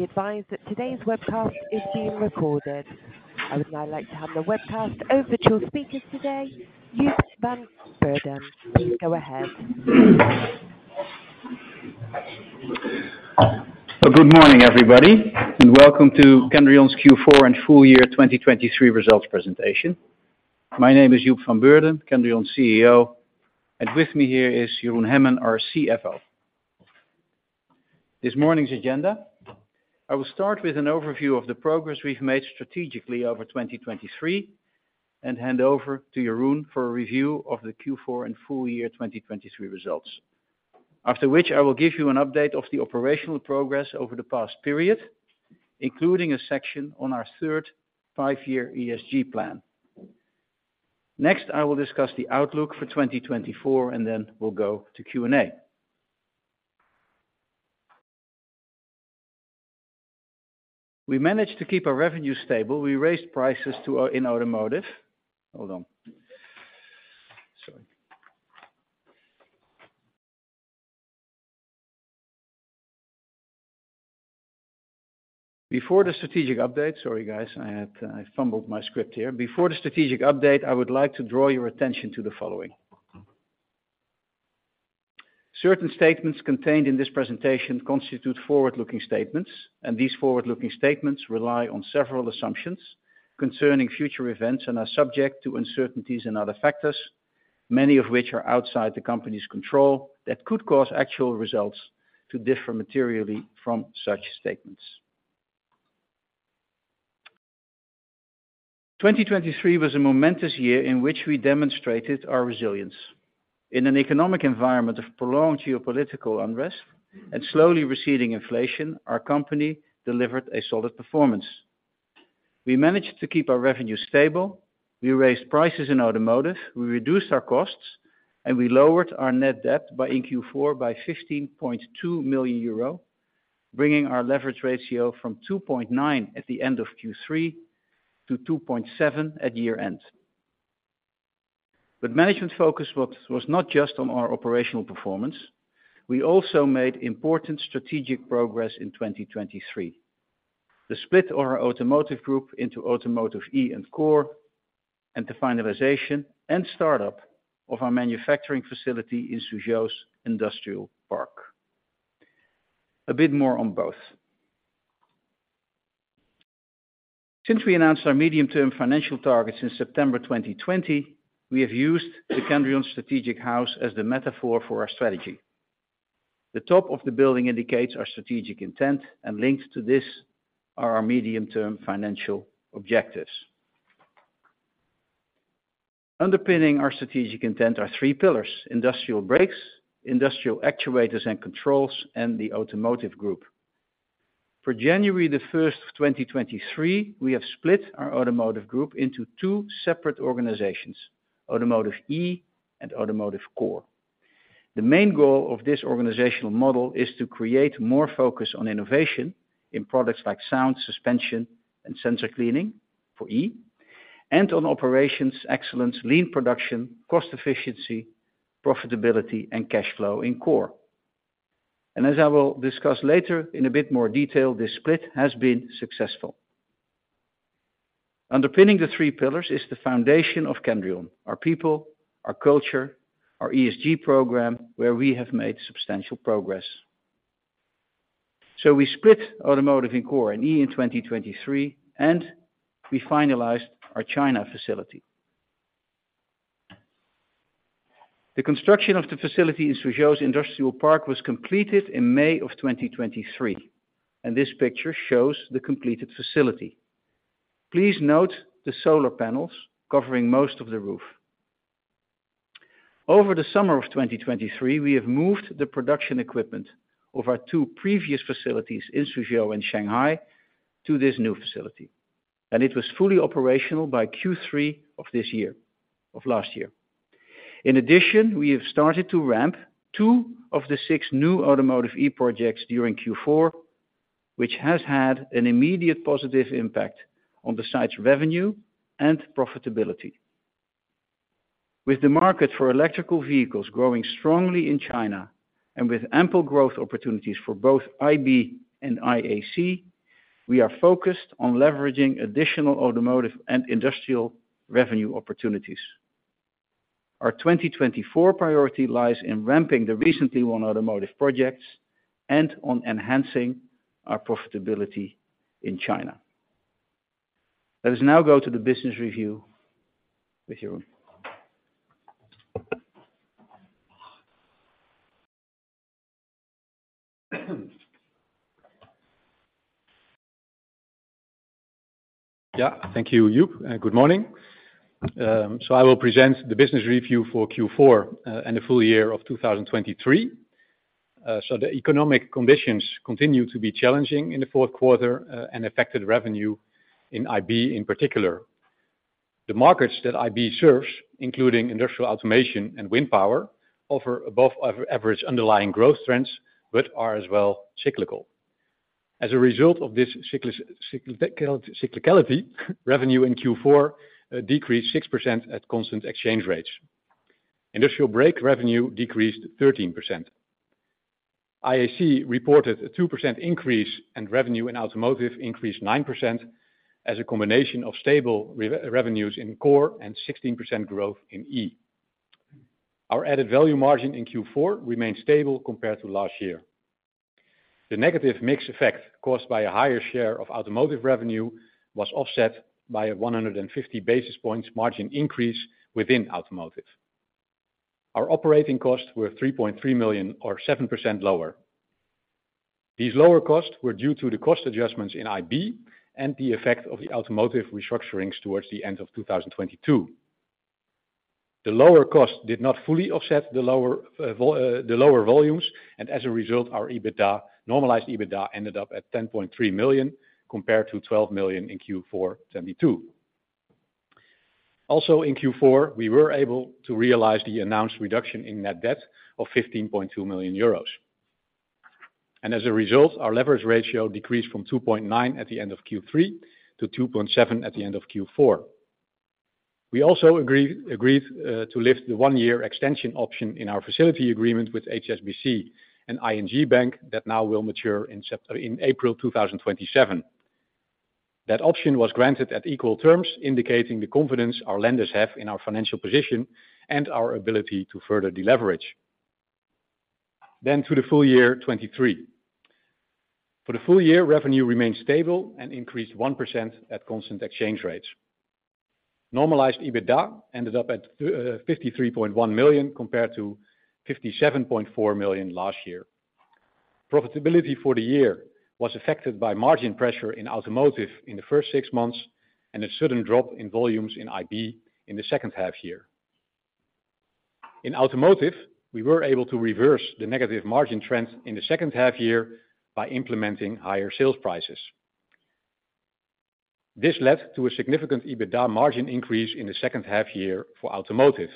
Please be advised that today's webcast is being recorded. I would now like to hand the webcast over to your speaker today, Joep van Beurden. Please go ahead. Well, good morning, everybody, and welcome to Kendrion's Q4 and Full Year 2023 Results Presentation. My name is Joep van Beurden, Kendrion's CEO, and with me here is Jeroen Hemmen, our CFO. This morning's agenda: I will start with an overview of the progress we've made strategically over 2023 and hand over to Jeroen for a review of the Q4 and full year 2023 results, after which I will give you an update of the operational progress over the past period, including a section on our third five-year ESG plan. Next, I will discuss the outlook for 2024, and then we'll go to Q&A. We managed to keep our revenue stable. We raised prices to our in automotive. Hold on. Sorry. Before the strategic update sorry, guys. I had I fumbled my script here. Before the strategic update, I would like to draw your attention to the following. Certain statements contained in this presentation constitute forward-looking statements, and these forward-looking statements rely on several assumptions concerning future events and are subject to uncertainties and other factors, many of which are outside the company's control that could cause actual results to differ materially from such statements. 2023 was a momentous year in which we demonstrated our resilience. In an economic environment of prolonged geopolitical unrest and slowly receding inflation, our company delivered a solid performance. We managed to keep our revenue stable. We raised prices in automotive. We reduced our costs, and we lowered our net debt by in Q4 by 15.2 million euro, bringing our leverage ratio from 2.9 at the end of Q3 to 2.7 at year-end. But management focus was not just on our operational performance. We also made important strategic progress in 2023: the split of our Automotive Group into Automotive E and Automotive Core, and the finalization and startup of our manufacturing facility in Suzhou's industrial park. A bit more on both. Since we announced our medium-term financial targets in September 2020, we have used the Kendrion Strategic House as the metaphor for our strategy. The top of the building indicates our strategic intent, and linked to this are our medium-term financial objectives. Underpinning our strategic intent are three pillars: Industrial Brakes, Industrial Actuators and Controls, and the Automotive Group. For January 1st, 2023, we have split our Automotive Group into two separate organizations, Automotive E and Automotive Automotive Core. The main goal of this organizational model is to create more focus on innovation in products like sound, suspension, and sensor cleaning for E, and on operations, excellence, lean production, cost efficiency, profitability, and cash flow in Automotive Core. As I will discuss later in a bit more detail, this split has been successful. Underpinning the three pillars is the foundation of Kendrion, our people, our culture, our ESG program, where we have made substantial progress. We split automotive in Automotive Core and E in 2023, and we finalized our China facility. The construction of the facility in Suzhou's industrial park was completed in May of 2023, and this picture shows the completed facility. Please note the solar panels covering most of the roof. Over the summer of 2023, we have moved the production equipment of our two previous facilities in Suzhou and Shanghai to this new facility, and it was fully operational by Q3 of this year of last year. In addition, we have started to ramp two of the six new Automotive E projects during Q4, which has had an immediate positive impact on the site's revenue and profitability. With the market for electric vehicles growing strongly in China and with ample growth opportunities for both IB and IAC, we are focused on leveraging additional automotive and industrial revenue opportunities. Our 2024 priority lies in ramping the recently won automotive projects and on enhancing our profitability in China. Let us now go to the business review with Jeroen. Yeah. Thank you, Joep. Good morning. I will present the business review for Q4 and the full year of 2023. The economic conditions continue to be challenging in the fourth quarter and affected revenue in IB in particular. The markets that IB serves, including industrial automation and wind power, offer above-average underlying growth trends but are as well cyclical. As a result of this cyclicality, revenue in Q4 decreased 6% at constant exchange rates. Industrial brake revenue decreased 13%. IAC reported a 2% increase, and revenue in automotive increased 9% as a combination of stable revenues in Automotive Core and 16% growth in E. Our added value margin in Q4 remained stable compared to last year. The negative mix effect caused by a higher share of automotive revenue was offset by a 150 basis points margin increase within automotive. Our operating costs were 3.3 million or 7% lower. These lower costs were due to the cost adjustments in IB and the effect of the automotive restructurings towards the end of 2022. The lower costs did not fully offset the lower volumes, and as a result, our normalized EBITDA ended up at 10.3 million compared to 12 million in Q4 2022. Also, in Q4, we were able to realize the announced reduction in net debt of 15.2 million euros. And as a result, our leverage ratio decreased from 2.9 at the end of Q3 to 2.7 at the end of Q4. We also agreed to lift the one-year extension option in our facility agreement with HSBC and ING Bank that now will mature in April 2027. That option was granted at equal terms, indicating the confidence our lenders have in our financial position and our ability to further deleverage. To the full year 2023. For the full year, revenue remained stable and increased 1% at constant exchange rates. Normalized EBITDA ended up at 53.1 million compared to 57.4 million last year. Profitability for the year was affected by margin pressure in automotive in the first six months and a sudden drop in volumes in IB in the second half year. In automotive, we were able to reverse the negative margin trend in the second half year by implementing higher sales prices. This led to a significant EBITDA margin increase in the second half year for automotive.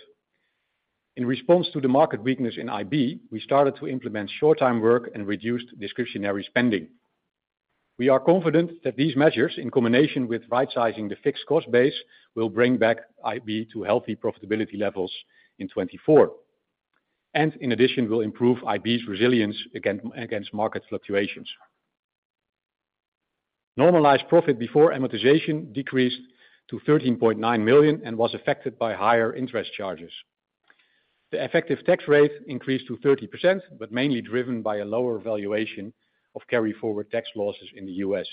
In response to the market weakness in IB, we started to implement short-time work and reduced discretionary spending. We are confident that these measures, in combination with right-sizing the fixed cost base, will bring back IB to healthy profitability levels in 2024 and, in addition, will improve IB's resilience against market fluctuations. Normalized profit before amortization decreased to 13.9 million and was affected by higher interest charges. The effective tax rate increased to 30% but mainly driven by a lower valuation of carry-forward tax losses in the U.S.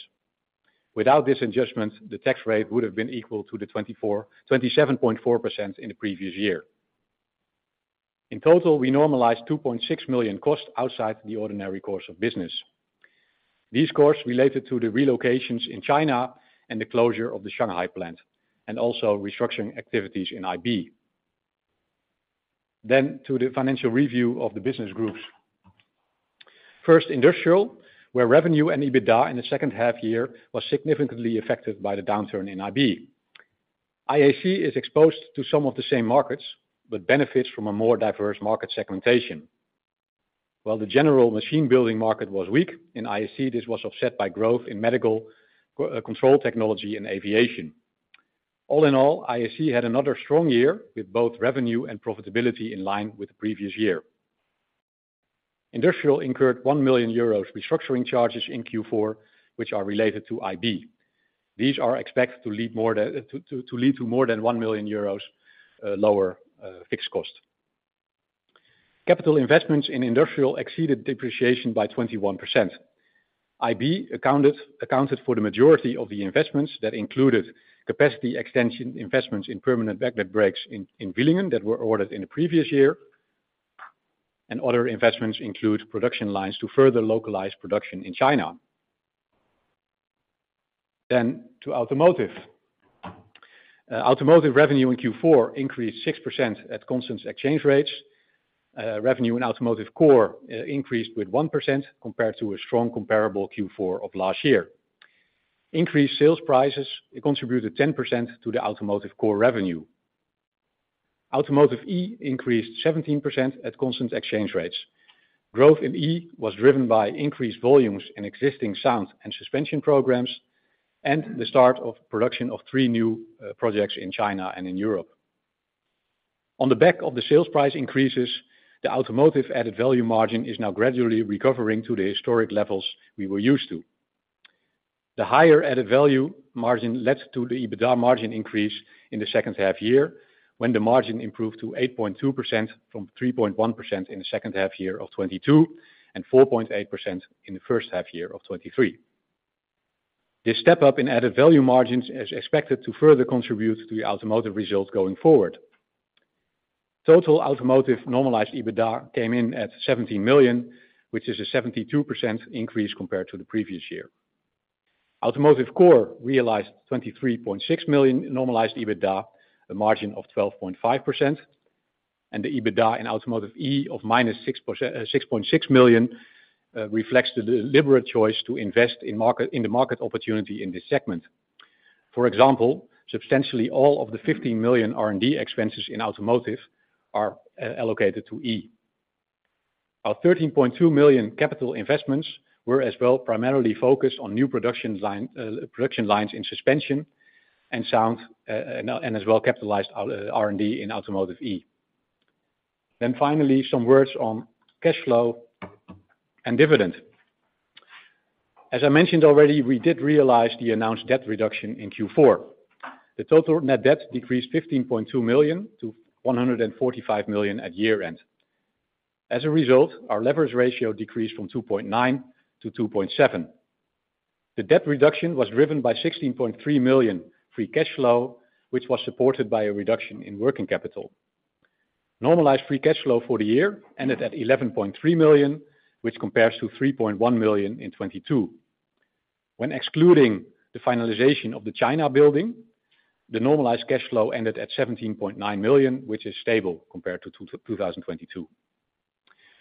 Without this adjustment, the tax rate would have been equal to the 27.4% in the previous year. In total, we normalized 2.6 million costs outside the ordinary course of business. These costs related to the relocations in China and the closure of the Shanghai plant and also restructuring activities in IB. To the financial review of the business groups. First, industrial, where revenue and EBITDA in the second half year was significantly affected by the downturn in IB. IAC is exposed to some of the same markets but benefits from a more diverse market segmentation. While the general machine-building market was weak, in IAC, this was offset by growth in medical control technology and aviation. All in all, IAC had another strong year with both revenue and profitability in line with the previous year. Industrial incurred 1 million euros restructuring charges in Q4, which are related to IB. These are expected to lead to more than 1 million euros lower fixed cost. Capital investments in industrial exceeded depreciation by 21%. IB accounted for the majority of the investments that included capacity extension investments in permanent magnet brakes in Villingen that were ordered in the previous year. Other investments include production lines to further localize production in China. To automotive. Automotive revenue in Q4 increased 6% at constant exchange rates. Revenue in Automotive Automotive Core increased with 1% compared to a strong comparable Q4 of last year. Increased sales prices contributed 10% to the Automotive Automotive Core revenue. Automotive E increased 17% at constant exchange rates. Growth in E was driven by increased volumes in existing sound and suspension programs and the start of production of three new projects in China and in Europe. On the back of the sales price increases, the automotive added value margin is now gradually recovering to the historic levels we were used to. The higher added value margin led to the EBITDA margin increase in the second half year, when the margin improved to 8.2% from 3.1% in the second half year of 2022 and 4.8% in the first half year of 2023. This step-up in added value margins is expected to further contribute to the automotive results going forward. Total automotive normalized EBITDA came in at 17 million, which is a 72% increase compared to the previous year. Automotive Automotive Core realized 23.6 million normalized EBITDA, a margin of 12.5%. The EBITDA in Automotive E of -6.6 million reflects the deliberate choice to invest in the market opportunity in this segment. For example, substantially all of the 15 million R&D expenses in automotive are allocated to E. Our 13.2 million capital investments were as well primarily focused on new production lines in suspension and sound and as well capitalized R&D in Automotive E. Finally, some words on cash flow and dividend. As I mentioned already, we did realize the announced debt reduction in Q4. The total net debt decreased 15.2 million to 145 million at year-end. As a result, our leverage ratio decreased from 2.9-2.7. The debt reduction was driven by 16.3 million free cash flow, which was supported by a reduction in working capital. Normalized free cash flow for the year ended at 11.3 million, which compares to 3.1 million in 2022. When excluding the finalization of the China building, the normalized cash flow ended at 17.9 million, which is stable compared to 2022.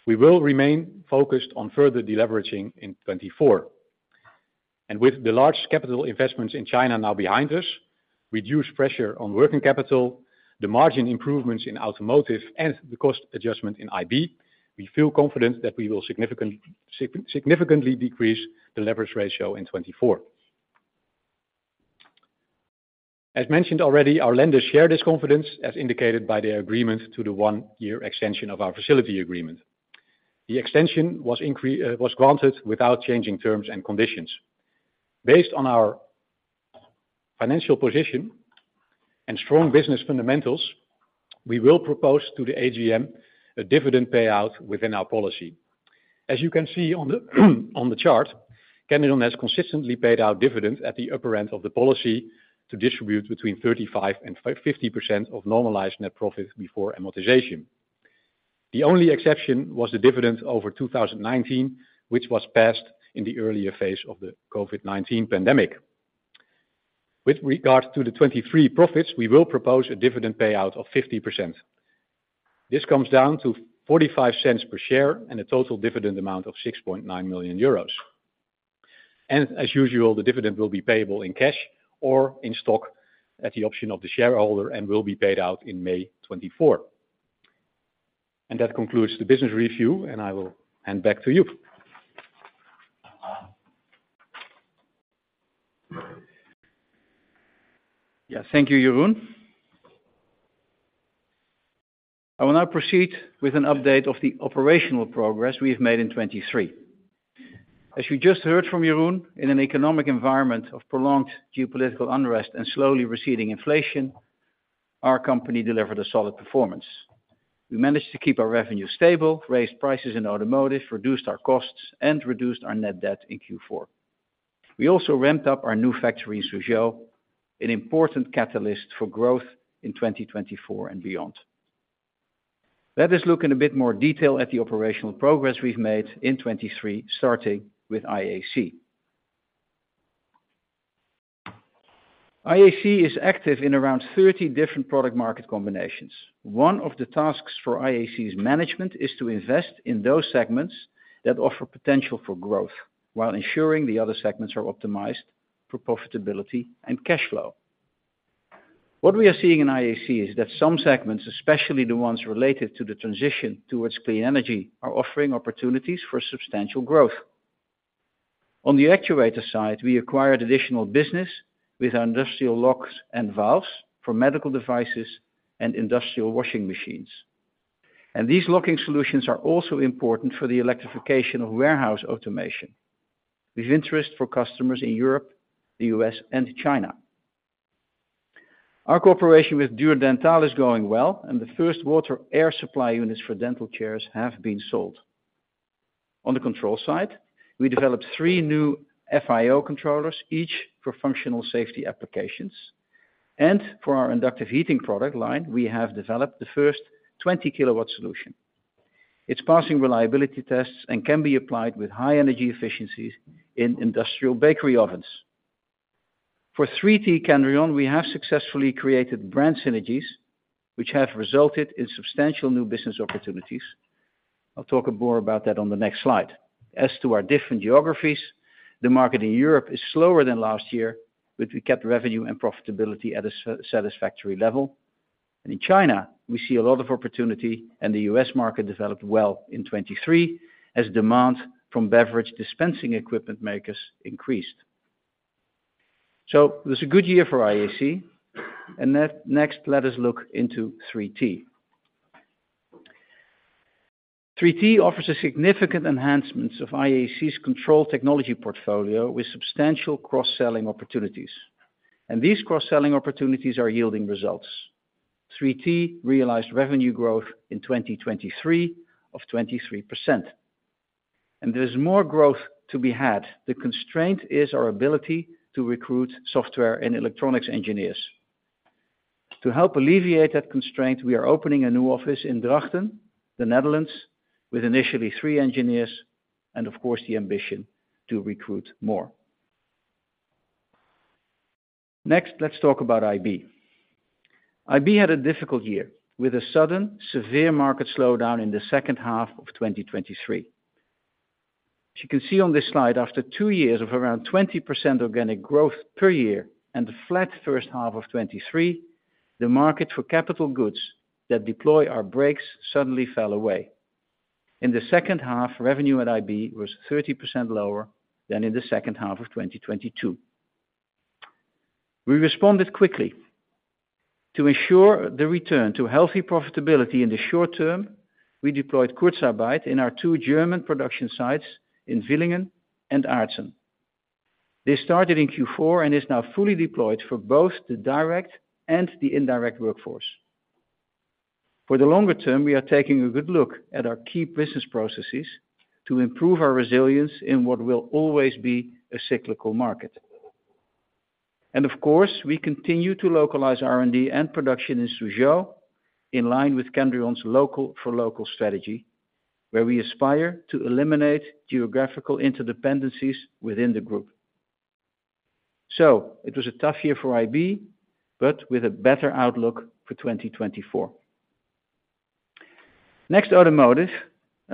We will remain focused on further deleveraging in 2024. And with the large capital investments in China now behind us, reduced pressure on working capital, the margin improvements in automotive, and the cost adjustment in IB, we feel confident that we will significantly decrease the leverage ratio in 2024. As mentioned already, our lenders share this confidence, as indicated by their agreement to the one-year extension of our facility agreement. The extension was granted without changing terms and conditions. Based on our financial position and strong business fundamentals, we will propose to the AGM a dividend payout within our policy. As you can see on the chart, Kendrion has consistently paid out dividends at the upper end of the policy to distribute between 35%-50% of normalized net profit before amortization. The only exception was the dividend over 2019, which was passed in the earlier phase of the COVID-19 pandemic. With regard to the 2023 profits, we will propose a dividend payout of 50%. This comes down to 0.45 per share and a total dividend amount of 6.9 million euros. As usual, the dividend will be payable in cash or in stock at the option of the shareholder and will be paid out in May 2024. That concludes the business review, and I will hand back to Joep. Yeah. Thank you, Jeroen. I will now proceed with an update of the operational progress we have made in 2023. As you just heard from Jeroen, in an economic environment of prolonged geopolitical unrest and slowly receding inflation, our company delivered a solid performance. We managed to keep our revenue stable, raised prices in automotive, reduced our costs, and reduced our net debt in Q4. We also ramped up our new factory in Suzhou, an important catalyst for growth in 2024 and beyond. Let us look in a bit more detail at the operational progress we've made in 2023, starting with IAC. IAC is active in around 30 different product-market combinations. One of the tasks for IAC's management is to invest in those segments that offer potential for growth while ensuring the other segments are optimized for profitability and cash flow. What we are seeing in IAC is that some segments, especially the ones related to the transition towards clean energy, are offering opportunities for substantial growth. On the actuator side, we acquired additional business with our industrial locks and valves for medical devices and industrial washing machines. These locking solutions are also important for the electrification of warehouse automation with interest for customers in Europe, the U.S., and China. Our cooperation with Dürr Dental is going well, and the first water-air supply units for dental chairs have been sold. On the control side, we developed three new FIO Controllers, each for functional safety applications. For our inductive heating product line, we have developed the first 20 kW solution. It's passing reliability tests and can be applied with high energy efficiencies in industrial bakery ovens. For 3T (Kendrion)Automotive Core, we have successfully created brand synergies, which have resulted in substantial new business opportunities. I'll talk more about that on the next slide. As to our different geographies, the market in Europe is slower than last year, but we kept revenue and profitability at a satisfactory level. In China, we see a lot of opportunity, and the U.S. market developed well in 2023 as demand from beverage dispensing equipment makers increased. It was a good year for IAC. Next, let us look into 3T. 3T offers a significant enhancement of IAC's control technology portfolio with substantial cross-selling opportunities. These cross-selling opportunities are yielding results. 3T realized revenue growth in 2023 of 23%. There's more growth to be had. The constraint is our ability to recruit software and electronics engineers. To help alleviate that constraint, we are opening a new office in Drachten, the Netherlands, with initially three engineers and, of course, the ambition to recruit more. Next, let's talk about IB. IB had a difficult year with a sudden, severe market slowdown in the second half of 2023. As you can see on this slide, after two years of around 20% organic growth per year and the flat first half of 2023, the market for capital goods that deploy our brakes suddenly fell away. In the second half, revenue at IB was 30% lower than in the second half of 2022. We responded quickly. To ensure the return to healthy profitability in the short term, we deployed Kurzarbeit in our two German production sites in Villingen and Aerzen. This started in Q4 and is now fully deployed for both the direct and the indirect workforce. For the longer term, we are taking a good look at our key business processes to improve our resilience in what will always be a cyclical market. Of course, we continue to localize R&D and production in Suzhou in line with Kendrion's local-for-local strategy, where we aspire to eliminate geographical interdependencies within the group. It was a tough year for IB but with a better outlook for 2024. Next, automotive.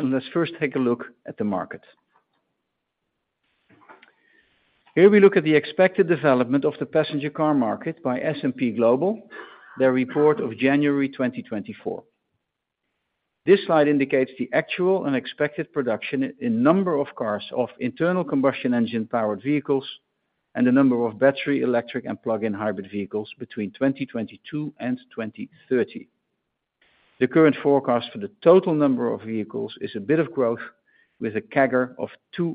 Let's first take a look at the market. Here we look at the expected development of the passenger car market by S&P Global, their report of January 2024. This slide indicates the actual and expected production in number of cars of internal combustion engine-powered vehicles and the number of battery electric and plug-in hybrid vehicles between 2022 and 2030. The current forecast for the total number of vehicles is a bit of growth with a CAGR of 2%.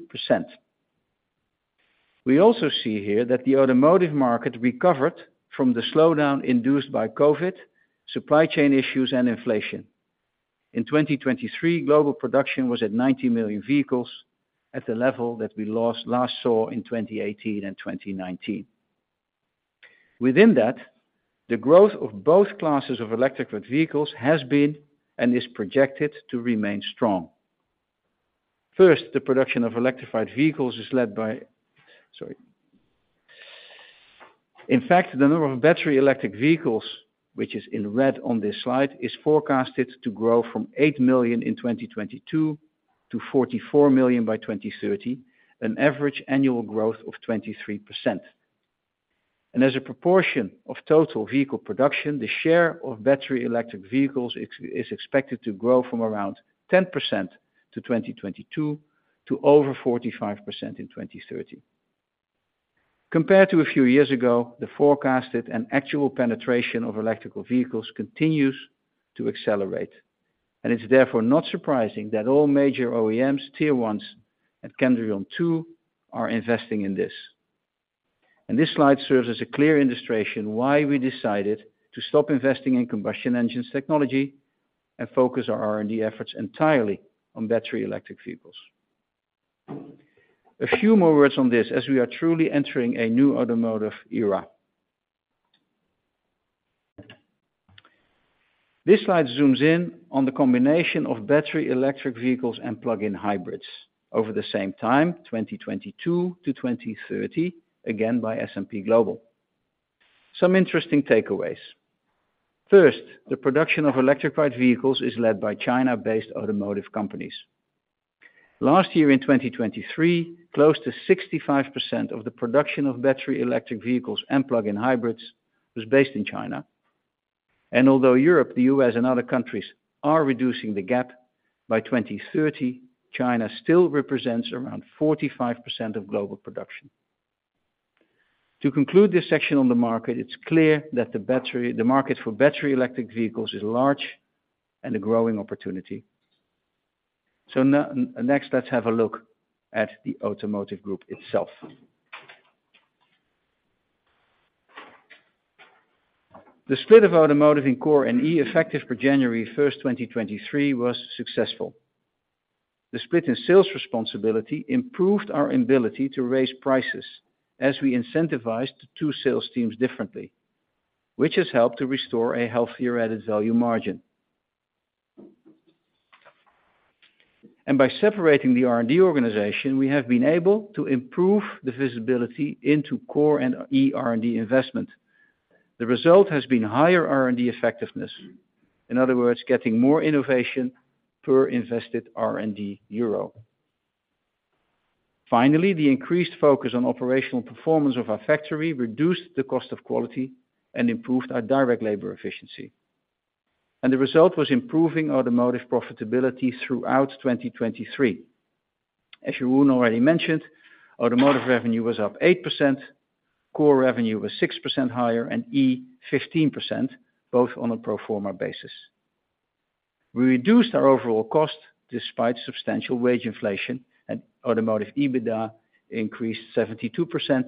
We also see here that the automotive market recovered from the slowdown induced by COVID, supply chain issues, and inflation. In 2023, global production was at 90 million vehicles at the level that we last saw in 2018 and 2019. Within that, the growth of both classes of electrified vehicles has been and is projected to remain strong. First, the production of electrified vehicles is led by sorry. In fact, the number of battery electric vehicles, which is in red on this slide, is forecasted to grow from 8 million in 2022 to 44 million by 2030, an average annual growth of 23%. And as a proportion of total vehicle production, the share of battery electric vehicles is expected to grow from around 10% to 2022 to over 45% in 2030. Compared to a few years ago, the forecasted and actual penetration of electrical vehicles continues to accelerate. It's therefore not surprising that all major OEMs, Tier 1s and Kendrion, too, are investing in this. This slide serves as a clear illustration why we decided to stop investing in combustion engines technology and focus our R&D efforts entirely on battery electric vehicles. A few more words on this as we are truly entering a new Automotive Era. This slide zooms in on the combination of battery electric vehicles and plug-in hybrids over the same time, 2022 to 2030, again by S&P Global. Some interesting takeaways. First, the production of electrified vehicles is led by China-based automotive companies. Last year in 2023, close to 65% of the production of battery electric vehicles and plug-in hybrids was based in China. And although Europe, the U.S., and other countries are reducing the gap, by 2030, China still represents around 45% of global production. To conclude this section on the market, it's clear that the market for battery electric vehicles is large and a growing opportunity. Next, let's have a look at the Automotive Group itself. The split of automotive in Automotive Core and E effective per January 1st, 2023, was successful. The split in sales responsibility improved our ability to raise prices as we incentivized the two sales teams differently, which has helped to restore a healthier added value margin. By separating the R&D organization, we have been able to improve the visibility into Automotive Core and E R&D investment. The result has been higher R&D effectiveness, in other words, getting more innovation per invested R&D euro. Finally, the increased focus on operational performance of our factory reduced the cost of quality and improved our direct labor efficiency. The result was improving automotive profitability throughout 2023. As Jeroen already mentioned, automotive revenue was up 8%, Automotive Core revenue was 6% higher, and E 15%, both on a pro forma basis. We reduced our overall cost despite substantial wage inflation, and Automotive Ebitda increased 72%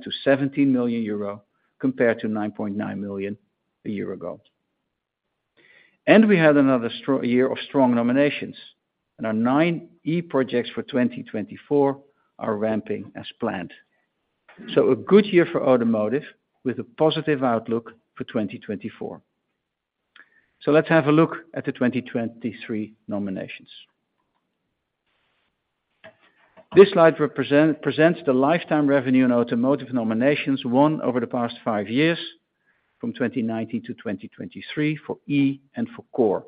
to 17 million euro compared to 9.9 million a year ago. We had another year of strong nominations, and our nine E projects for 2024 are ramping as planned. A good year for automotive with a positive outlook for 2024. Let's have a look at the 2023 nominations. This slide presents the lifetime revenue in automotive nominations won over the past five years from 2019 to 2023 for E and for Automotive Core.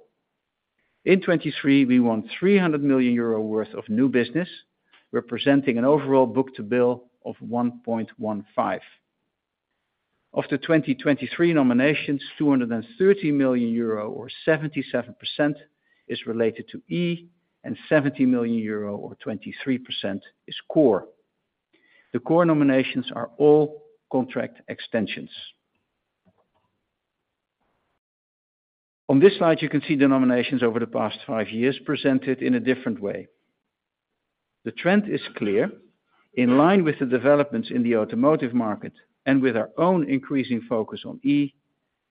In 2023, we won 300 million euro worth of new business, representing an overall book-to-bill of 1.15. Of the 2023 nominations, 230 million euro or 77% is related to E, and 70 million euro or 23% is Automotive Core. The Automotive Core nominations are all contract extensions. On this slide, you can see the nominations over the past five years presented in a different way. The trend is clear. In line with the developments in the automotive market and with our own increasing focus on E,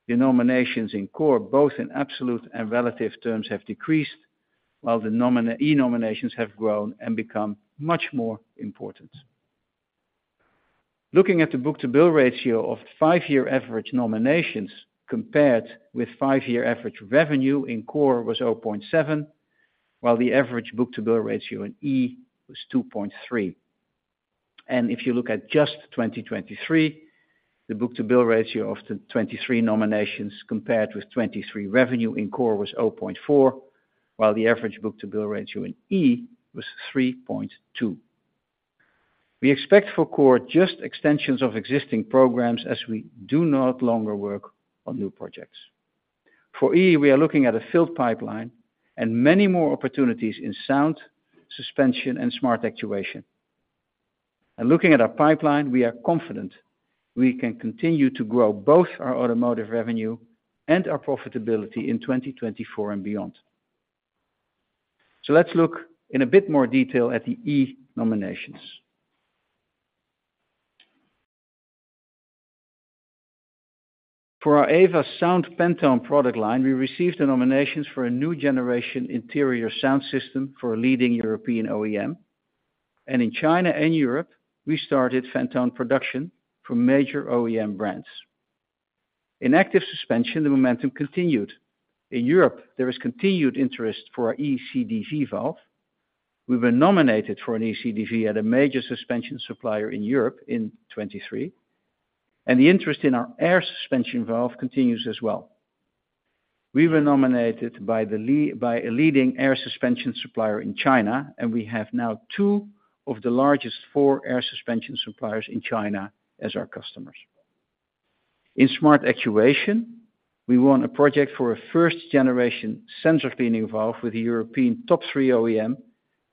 the nominations in Automotive Core, both in absolute and relative terms, have decreased while the E nominations have grown and become much more important. Looking at the Book-to-Bill Ratio of five-year average nominations compared with five-year average revenue in Automotive Core was 0.7, while the average Book-to-Bill Ratio in E was 2.3. If you look at just 2023, the Book-to-Bill Ratio of the 2023 nominations compared with 2023 revenue in Automotive Core was 0.4, while the average Book-to-Bill Ratio in E was 3.2. We expect for Automotive Core just extensions of existing programs as we do not longer work on new projects. For E, we are looking at a filled pipeline and many more opportunities in sound suspension and smart actuation. Looking at our pipeline, we are confident we can continue to grow both our automotive revenue and our profitability in 2024 and beyond. Let's look in a bit more detail at the E nominations. For our EVA Sound Phantom product line, we received the nominations for a new generation interior sound system for a leading European OEM. In China and Europe, we started Phantom production for major OEM brands. In active suspension, the momentum continued. In Europe, there is continued interest for our ECDV valve. We were nominated for an ECDV at a major suspension supplier in Europe in 2023. The interest in our air suspension valve continues as well. We were nominated by the leading air suspension supplier in China, and we have now two of the largest four air suspension suppliers in China as our customers. In smart actuation, we won a project for a first-generation sensor cleaning valve with a European top three OEM,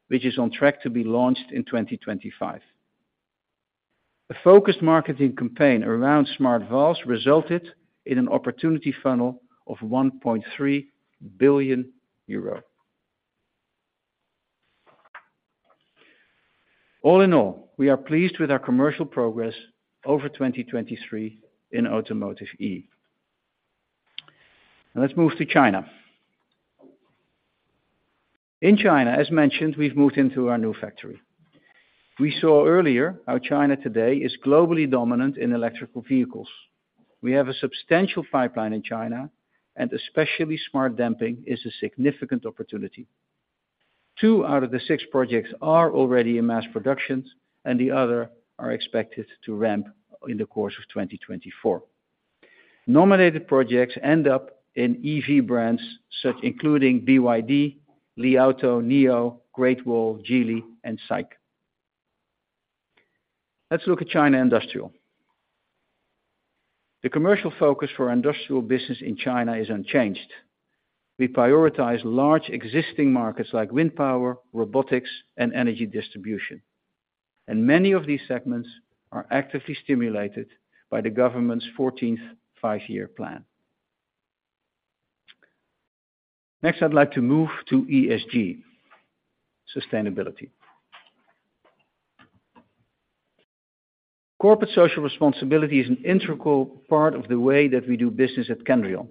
which is on track to be launched in 2025. A focused marketing campaign around smart valves resulted in an opportunity funnel of 1.3 billion euro. All in all, we are pleased with our commercial progress over 2023 in Automotive E. Let's move to China. In China, as mentioned, we've moved into our new factory. We saw earlier how China today is globally dominant in electric vehicles. We have a substantial pipeline in China, and especially smart damping is a significant opportunity. Two out of the six projects are already in mass production, and the other are expected to ramp in the course of 2024. Nominated projects end up in EV brands such including BYD, Li Auto, NIO, Great Wall, Geely, and SAIC. Let's look at China Industrial. The commercial focus for industrial business in China is unchanged. We prioritize large existing markets like wind power, robotics, and energy distribution. Many of these segments are actively stimulated by the government's 14th five-year plan. Next, I'd like to move to ESG, sustainability. Corporate social responsibility is an integral part of the way that we do business at Kendrion.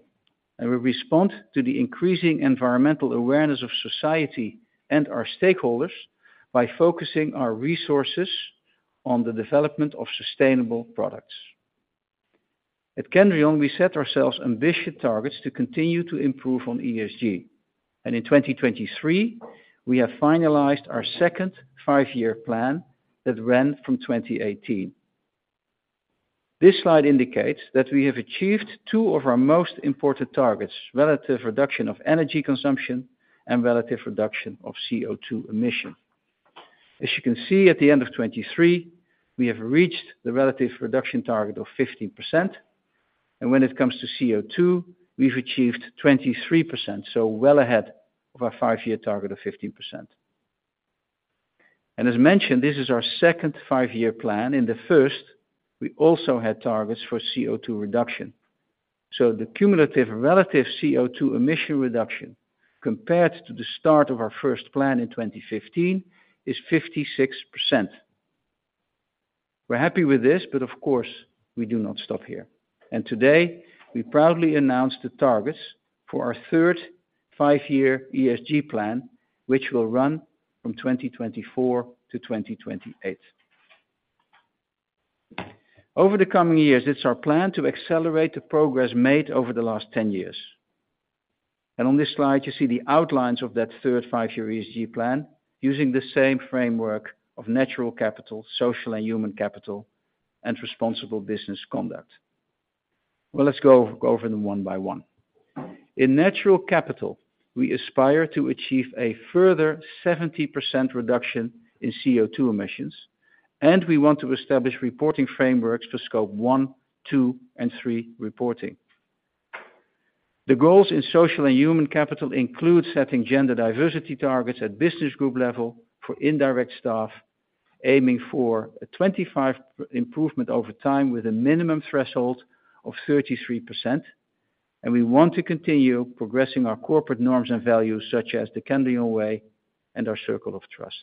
We respond to the increasing environmental awareness of society and our stakeholders by focusing our resources on the development of sustainable products. At Kendrion, we set ourselves ambitious targets to continue to improve on ESG. In 2023, we have finalized our second five-year plan that ran from 2018. This slide indicates that we have achieved two of our most important targets, relative reduction of energy consumption and relative reduction of CO2 emission. As you can see, at the end of 2023, we have reached the relative reduction target of 15%. When it comes to CO2, we've achieved 23%, so well ahead of our five-year target of 15%. As mentioned, this is our second five-year plan. In the first, we also had targets for CO2 reduction. So the cumulative relative CO2 emission reduction compared to the start of our first plan in 2015 is 56%. We're happy with this, but of course, we do not stop here. Today, we proudly announced the targets for our third five-year ESG plan, which will run from 2024 to 2028. Over the coming years, it's our plan to accelerate the progress made over the last 10 years. On this slide, you see the outlines of that third five-year ESG plan using the same framework of natural capital, social and human capital, and responsible business conduct. Well, let's go over them one by one. In natural capital, we aspire to achieve a further 70% reduction in CO2 emissions, and we want to establish reporting frameworks for Scope 1, 2, and 3 reporting. The goals in social and human capital include setting gender diversity targets at business group level for indirect staff, aiming for a 25% improvement over time with a minimum threshold of 33%. And we want to continue progressing our corporate norms and values such as the Kendrion way and our circle of trust.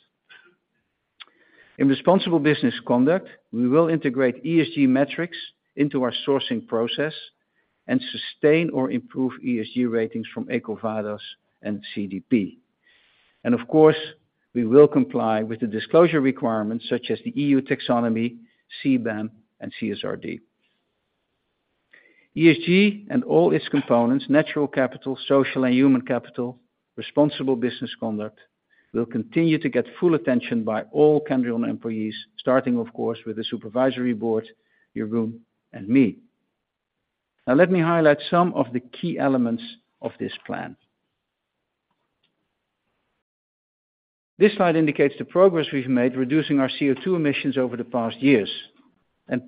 In responsible business conduct, we will integrate ESG metrics into our sourcing process and sustain or improve ESG ratings from EcoVadis and CDP. Of course, we will comply with the disclosure requirements such as the EU Taxonomy, CBAM, and CSRD. ESG and all its components, natural capital, social and human capital, responsible business conduct, will continue to get full attention by all Kendrion employees, starting, of course, with the supervisory board, Jeroen, and me. Now, let me highlight some of the key elements of this plan. This slide indicates the progress we've made reducing our CO2 emissions over the past years.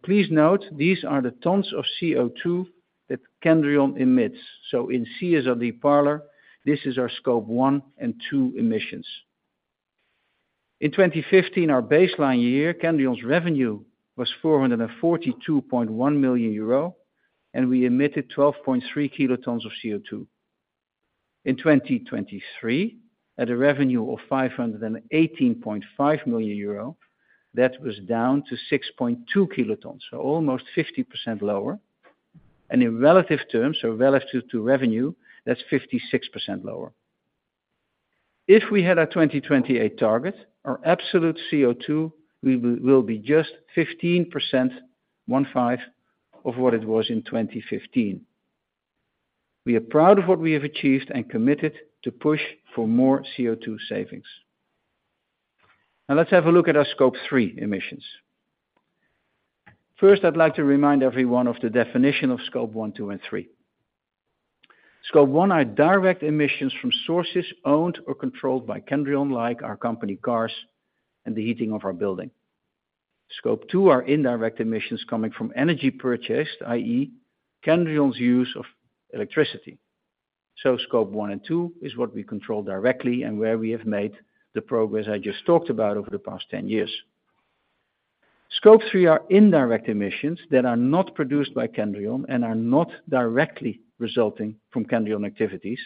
Please note, these are the tons of CO2 that Kendrion emits. So in CSRD parlance, this is our Scope 1 and 2 emissions. In 2015, our baseline year, Kendrion's revenue was 442.1 million euro, and we emitted 12.3 kilotons of CO2. In 2023, at a revenue of 518.5 million euro, that was down to 6.2 kilotons, so almost 50% lower. And in relative terms, so relative to revenue, that's 56% lower. If we had our 2028 target, our absolute CO2 will be just 15%, 1.5%, of what it was in 2015. We are proud of what we have achieved and committed to push for more CO2 savings. Now, let's have a look at our Scope 3 emissions. First, I'd like to remind everyone of the definition of Scope 1, 2, and 3. Scope 1 are direct emissions from sources owned or controlled by Kendrion, like our company cars and the heating of our building. Scope 2 are indirect emissions coming from energy purchased, i.e., Kendrion's use of electricity. So Scope 1 and 2 is what we control directly and where we have made the progress I just talked about over the past 10 years. Scope 3 are indirect emissions that are not produced by Kendrion and are not directly resulting from Kendrion activities,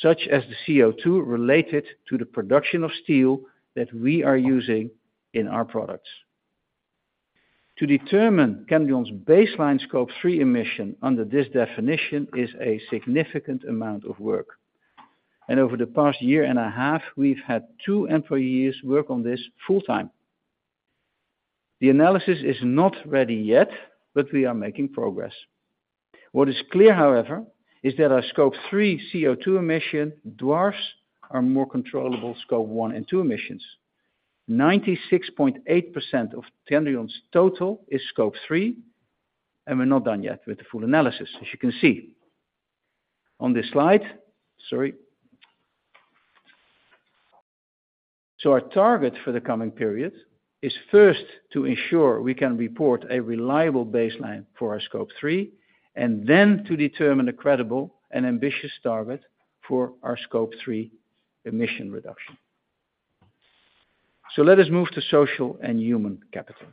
such as the CO2 related to the production of steel that we are using in our products. To determine Kendrion's baseline Scope 3 emission under this definition is a significant amount of work. Over the past year and a half, we've had two employees work on this full time. The analysis is not ready yet, but we are making progress. What is clear, however, is that our Scope 3 CO2 emission dwarfs our more controllable Scope 1 and 2 emissions. 96.8% of Kendrion's total is Scope 3, and we're not done yet with the full analysis, as you can see. On this slide, sorry. Our target for the coming period is first to ensure we can report a reliable baseline for our Scope 3, and then to determine a credible and ambitious target for our Scope 3 emission reduction. Let us move to social and human capital.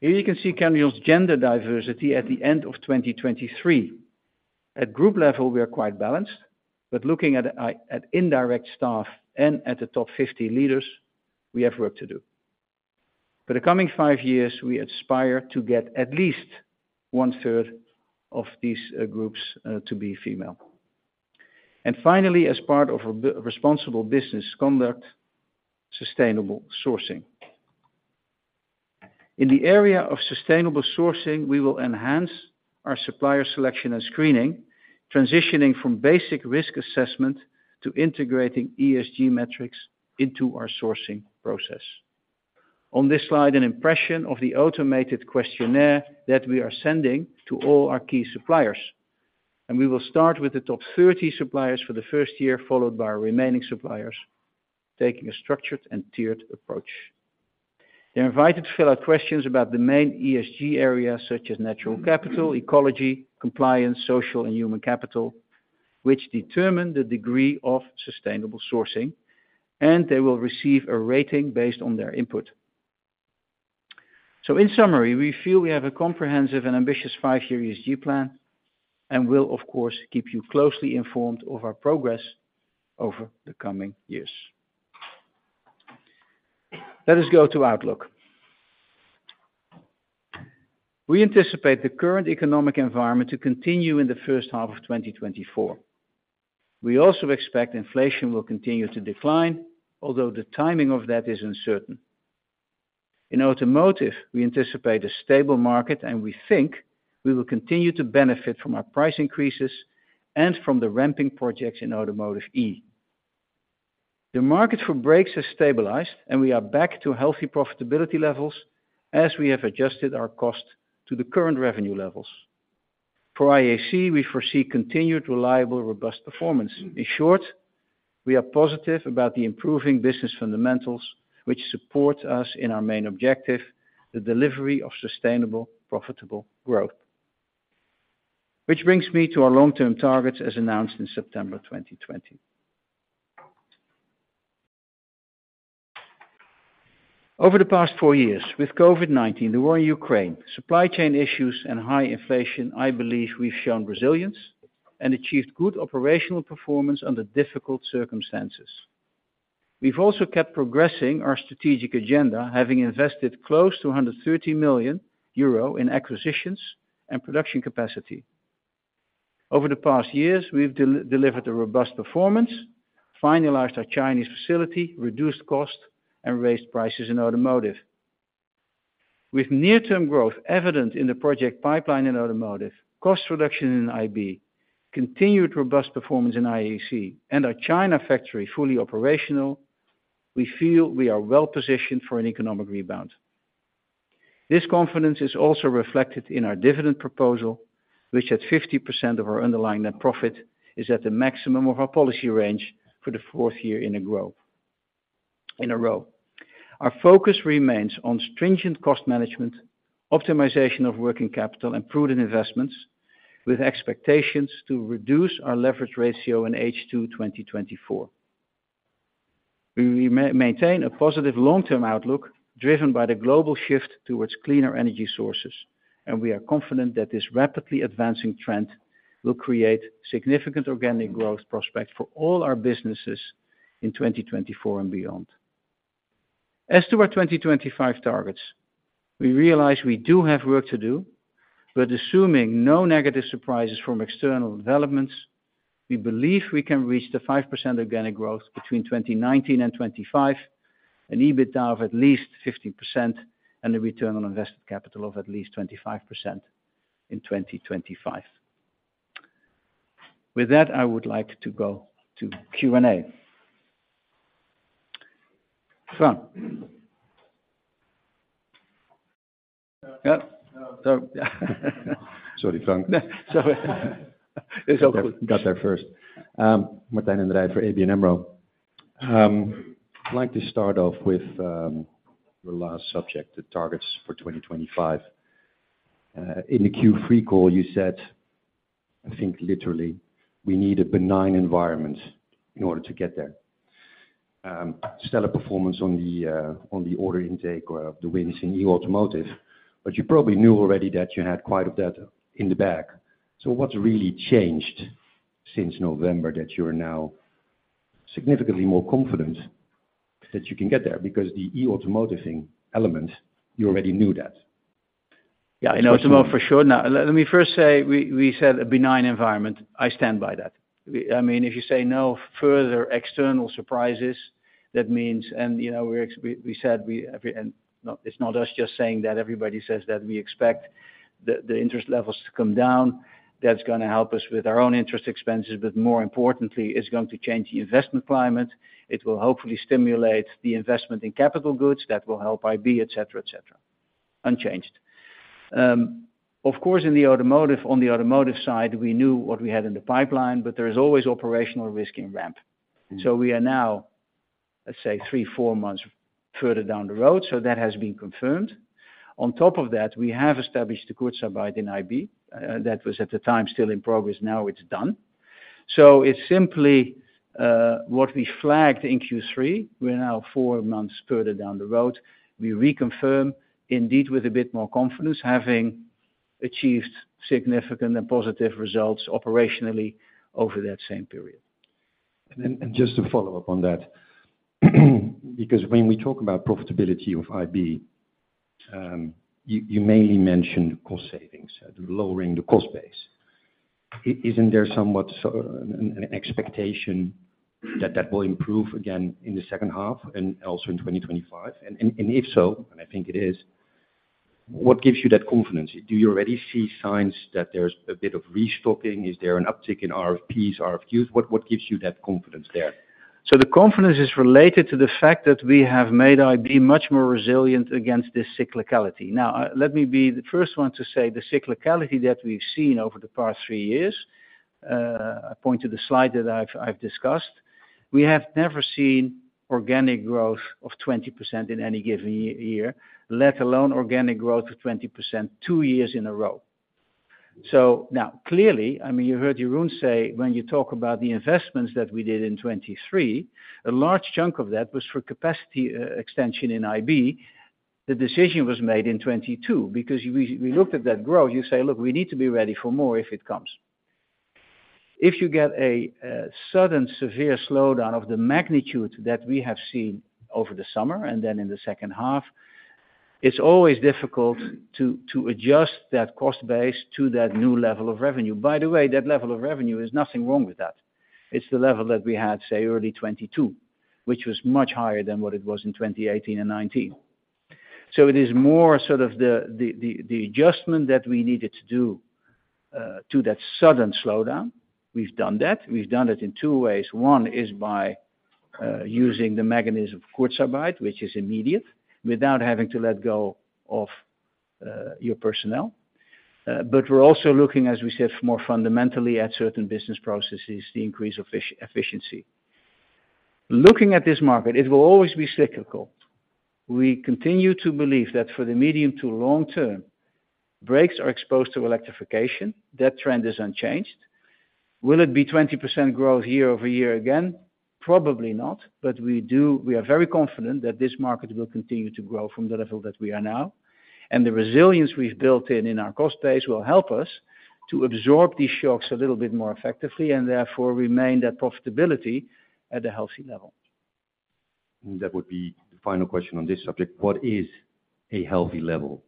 Here you can see Kendrion's gender diversity at the end of 2023. At group level, we are quite balanced, but looking at indirect staff and at the top 50 leaders, we have work to do. For the coming five years, we aspire to get at least one-third of these groups to be female. Finally, as part of responsible business conduct, sustainable sourcing. In the area of sustainable sourcing, we will enhance our supplier selection and screening, transitioning from basic risk assessment to integrating ESG metrics into our sourcing process. On this slide, an impression of the automated questionnaire that we are sending to all our key suppliers. And we will start with the top 30 suppliers for the first year, followed by our remaining suppliers, taking a structured and tiered approach. They're invited to fill out questions about the main ESG areas, such as natural capital, ecology, compliance, social and human capital, which determine the degree of sustainable sourcing, and they will receive a rating based on their input. So in summary, we feel we have a comprehensive and ambitious five-year ESG plan and will, of course, keep you closely informed of our progress over the coming years. Let us go to Outlook. We anticipate the current economic environment to continue in the first half of 2024. We also expect inflation will continue to decline, although the timing of that is uncertain. In automotive, we anticipate a stable market, and we think we will continue to benefit from our price increases and from the ramping projects in Automotive E. The market for brakes has stabilized, and we are back to healthy profitability levels as we have adjusted our cost to the current revenue levels. For IAC, we foresee continued reliable, robust performance. In short, we are positive about the improving business fundamentals, which support us in our main objective, the delivery of sustainable, profitable growth. Which brings me to our long-term targets, as announced in September 2020. Over the past four years, with COVID-19, the war in Ukraine, supply chain issues, and high inflation, I believe we've shown resilience and achieved good operational performance under difficult circumstances. We've also kept progressing our strategic agenda, having invested close to 130 million euro in acquisitions and production capacity. Over the past years, we've delivered a robust performance, finalized our Chinese facility, reduced cost, and raised prices in automotive. With near-term growth evident in the project pipeline in automotive, cost reduction in IB, continued robust performance in IAC, and our China factory fully operational, we feel we are well positioned for an economic rebound. This confidence is also reflected in our dividend proposal, which at 50% of our underlying net profit is at the maximum of our policy range for the fourth year in a row. Our focus remains on stringent cost management, optimization of working capital, and prudent investments, with expectations to reduce our leverage ratio in H2 2024. We maintain a positive long-term outlook driven by the global shift towards cleaner energy sources, and we are confident that this rapidly advancing trend will create significant organic growth prospects for all our businesses in 2024 and beyond. As to our 2025 targets, we realize we do have work to do, but assuming no negative surprises from external developments, we believe we can reach the 5% organic growth between 2019 and 2025, an EBITDA of at least 15%, and a return on invested capital of at least 25% in 2025. With that, I would like to go to Q&A. Frank. Yeah? Sorry, Frank. Sorry. It's all good. Got there first. Martijn den Drijver for ABN AMRO. I'd like to start off with your last subject, the targets for 2025. In the Q3 call, you said, I think literally, "We need a benign environment in order to get there." Stellar performance on the order intake of the wins in e-automotive, but you probably knew already that you had quite a bit in the bag. So what's really changed since November that you are now significantly more confident that you can get there? Because the e-automotive thing element, you already knew that. Yeah, in automotive for sure. Now, let me first say, we said a benign environment. I stand by that. I mean, if you say no further external surprises, that means, and we said we, and it's not us just saying that. Everybody says that we expect the interest levels to come down. That's going to help us with our own interest expenses. But more importantly, it's going to change the investment climate. It will hopefully stimulate the investment in capital goods. That will help IB, etc., etc. Unchanged. Of course, in the automotive, on the automotive side, we knew what we had in the pipeline, but there is always operational risk in ramp. So we are now, let's say, 3, 4 months further down the road. So that has been confirmed. On top of that, we have established the Kurzarbeit in IB. That was at the time still in progress. Now it's done. So it's simply what we flagged in Q3. We're now 4 months further down the road. We reconfirm indeed with a bit more confidence, having achieved significant and positive results operationally over that same period. And just to follow up on that, because when we talk about profitability of IB, you mainly mentioned cost savings, lowering the cost base. Isn't there somewhat an expectation that that will improve again in the second half and also in 2025? And if so, and I think it is, what gives you that confidence? Do you already see signs that there's a bit of restocking? Is there an uptick in RFPs, RFQs? What gives you that confidence there? So the confidence is related to the fact that we have made IB much more resilient against this cyclicality. Now, let me be the first one to say the cyclicality that we've seen over the past three years. I point to the slide that I've discussed. We have never seen organic growth of 20% in any given year, let alone organic growth of 20% two years in a row. So now, clearly, I mean, you heard Jeroen say when you talk about the investments that we did in 2023, a large chunk of that was for capacity extension in IB. The decision was made in 2022 because we looked at that growth. You say, "Look, we need to be ready for more if it comes." If you get a sudden severe slowdown of the magnitude that we have seen over the summer and then in the second half, it's always difficult to adjust that cost base to that new level of revenue. By the way, that level of revenue is nothing wrong with that. It's the level that we had, say, early 2022, which was much higher than what it was in 2018 and 2019. So it is more sort of the adjustment that we needed to do to that sudden slowdown. We've done that. We've done it in two ways. One is by using the mechanism of Kurzarbeit, which is immediate without having to let go of your personnel. But we're also looking, as we said, more fundamentally at certain business processes, the increase of efficiency. Looking at this market, it will always be cyclical. We continue to believe that for the medium to long term, brakes are exposed to electrification. That trend is unchanged. Will it be 20% growth year-over-year again? Probably not. But we are very confident that this market will continue to grow from the level that we are now. And the resilience we've built in in our cost base will help us to absorb these shocks a little bit more effectively and therefore remain that profitability at a healthy level. And that would be the final question on this subject. What is a healthy level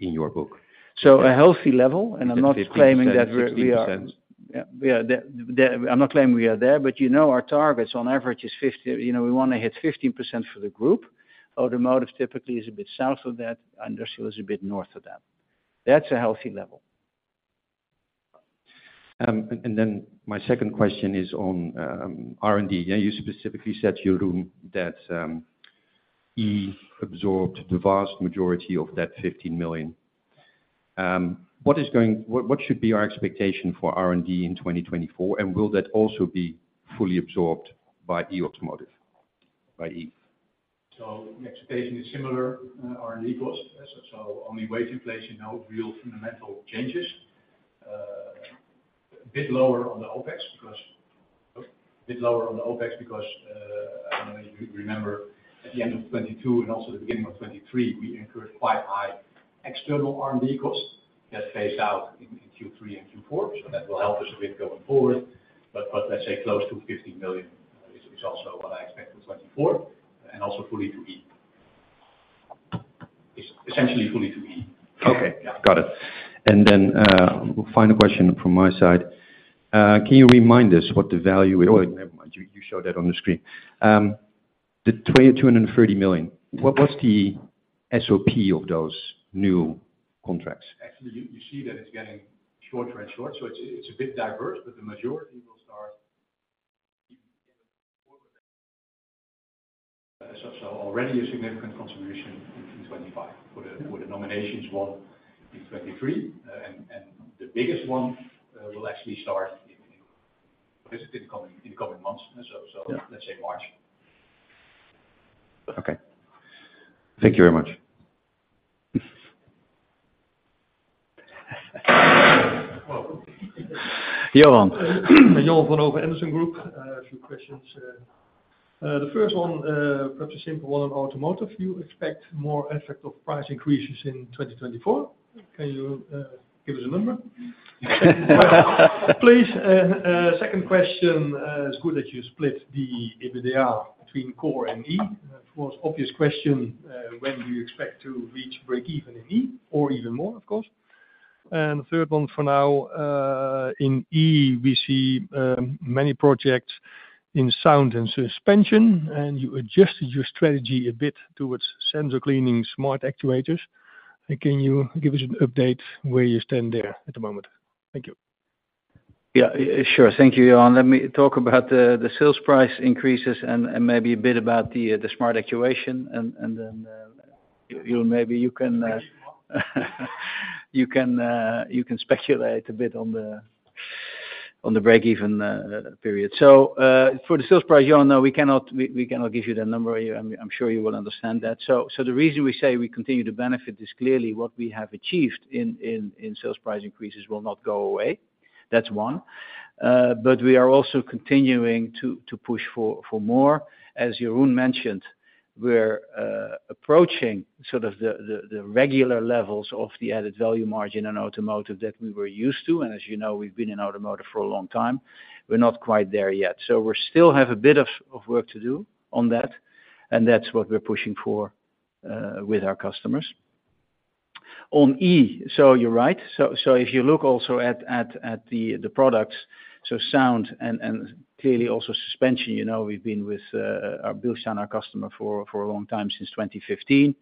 in your book? So a healthy level, and I'm not claiming that we are—yeah, I'm not claiming we are there, but our targets on average is 50. We want to hit 15% for the group. Automotive typically is a bit south of that. Industrial is a bit north of that. That's a healthy level. And then my second question is on R&D. You specifically said, Jeroen, that E absorbed the vast majority of that 15 million. What should be our expectation for R&D in 2024, and will that also be fully absorbed by e-automotive, by E? So the expectation is similar, R&D cost. So only wage inflation, no real fundamental changes. A bit lower on the OpEx because—a bit lower on the OpEx because I don't know if you remember, at the end of 2022 and also the beginning of 2023, we incurred quite high external R&D costs that phased out in Q3 and Q4. So that will help us a bit going forward. But let's say close to 50 million is also what I expect for 2024 and also fully to E. Essentially fully to E. Okay. Got it. And then final question from my side. Can you remind us what the value—or never mind, you showed that on the screen—the 230 million, what's the SOP of those new contracts? Actually, you see that it's getting shorter and shorter. So it's a bit diverse, but the majority will start already a significant contribution in 2025. The nominations won in 2023, and the biggest one will actually start in the coming months. So let's say March. Okay. Thank you very much. Jeroen. Jeroen van Oerle, Andersen Group. A few questions. The first one, perhaps a simple one on automotive. You expect more effect of price increases in 2024. Can you give us a number? Please. Second question. It's good that you split the EBITDA between Automotive Core and E. Of course, obvious question, when do you expect to reach break-even in E or even more, of course? And the third one for now. In E, we see many projects in sound and suspension, and you adjusted your strategy a bit towards sensor cleaning smart actuators. Can you give us an update where you stand there at the moment? Thank you. Yeah, sure. Thank you, Jeroen. Let me talk about the sales price increases and maybe a bit about the smart actuation. And then maybe you can speculate a bit on the break-even period. So for the sales price, Jeroen, no, we cannot give you that number. I'm sure you will understand that. So the reason we say we continue to benefit is clearly what we have achieved in sales price increases will not go away. That's one. But we are also continuing to push for more. As Jeroen mentioned, we're approaching sort of the regular levels of the added value margin in automotive that we were used to. As you know, we've been in automotive for a long time. We're not quite there yet. So we still have a bit of work to do on that, and that's what we're pushing for with our customers. On E, so you're right. So if you look also at the products, so sound and clearly also suspension, we've been with Bilstein, our customer, for a long time since 2015.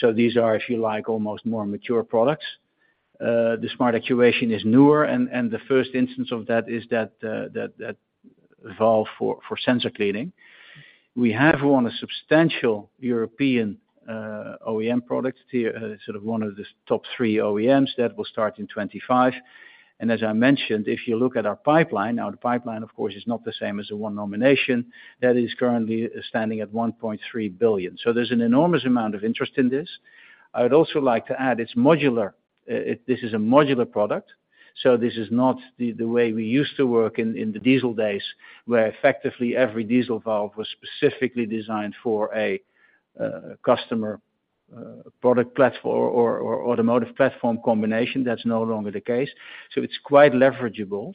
So these are, if you like, almost more mature products. The smart actuation is newer, and the first instance of that is that valve for sensor cleaning. We have won a substantial European OEM product, sort of one of the top three OEMs that will start in 2025. As I mentioned, if you look at our pipeline now, the pipeline, of course, is not the same as the won nomination. That is currently standing at 1.3 billion. So there's an enormous amount of interest in this. I would also like to add, this is a modular product. So this is not the way we used to work in the diesel days where effectively every diesel valve was specifically designed for a customer product platform or automotive platform combination. That's no longer the case. So it's quite leverageable.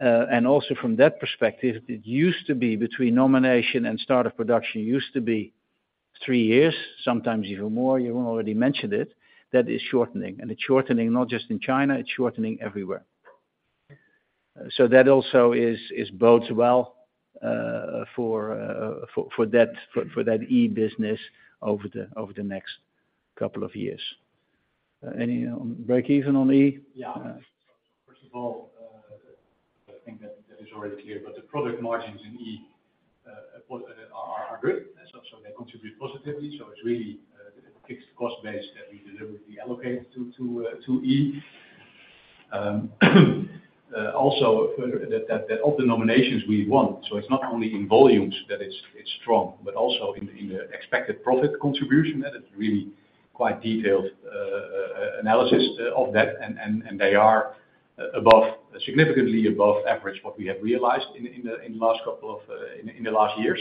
And also from that perspective, it used to be between nomination and start of production used to be three years, sometimes even more. Jeroen already mentioned it. That is shortening. And it's shortening not just in China. It's shortening everywhere. So that also bodes well for that E business over the next couple of years. Any break-even on E? Yeah. First of all, I think that is already clear. But the product margins in E are good. So they contribute positively. So it's really the fixed cost base that we deliberately allocate to E. Also, of the nominations, we won. So it's not only in volumes that it's strong, but also in the expected profit contribution. That is really quite detailed analysis of that. And they are significantly above average what we have realized in the last couple of years.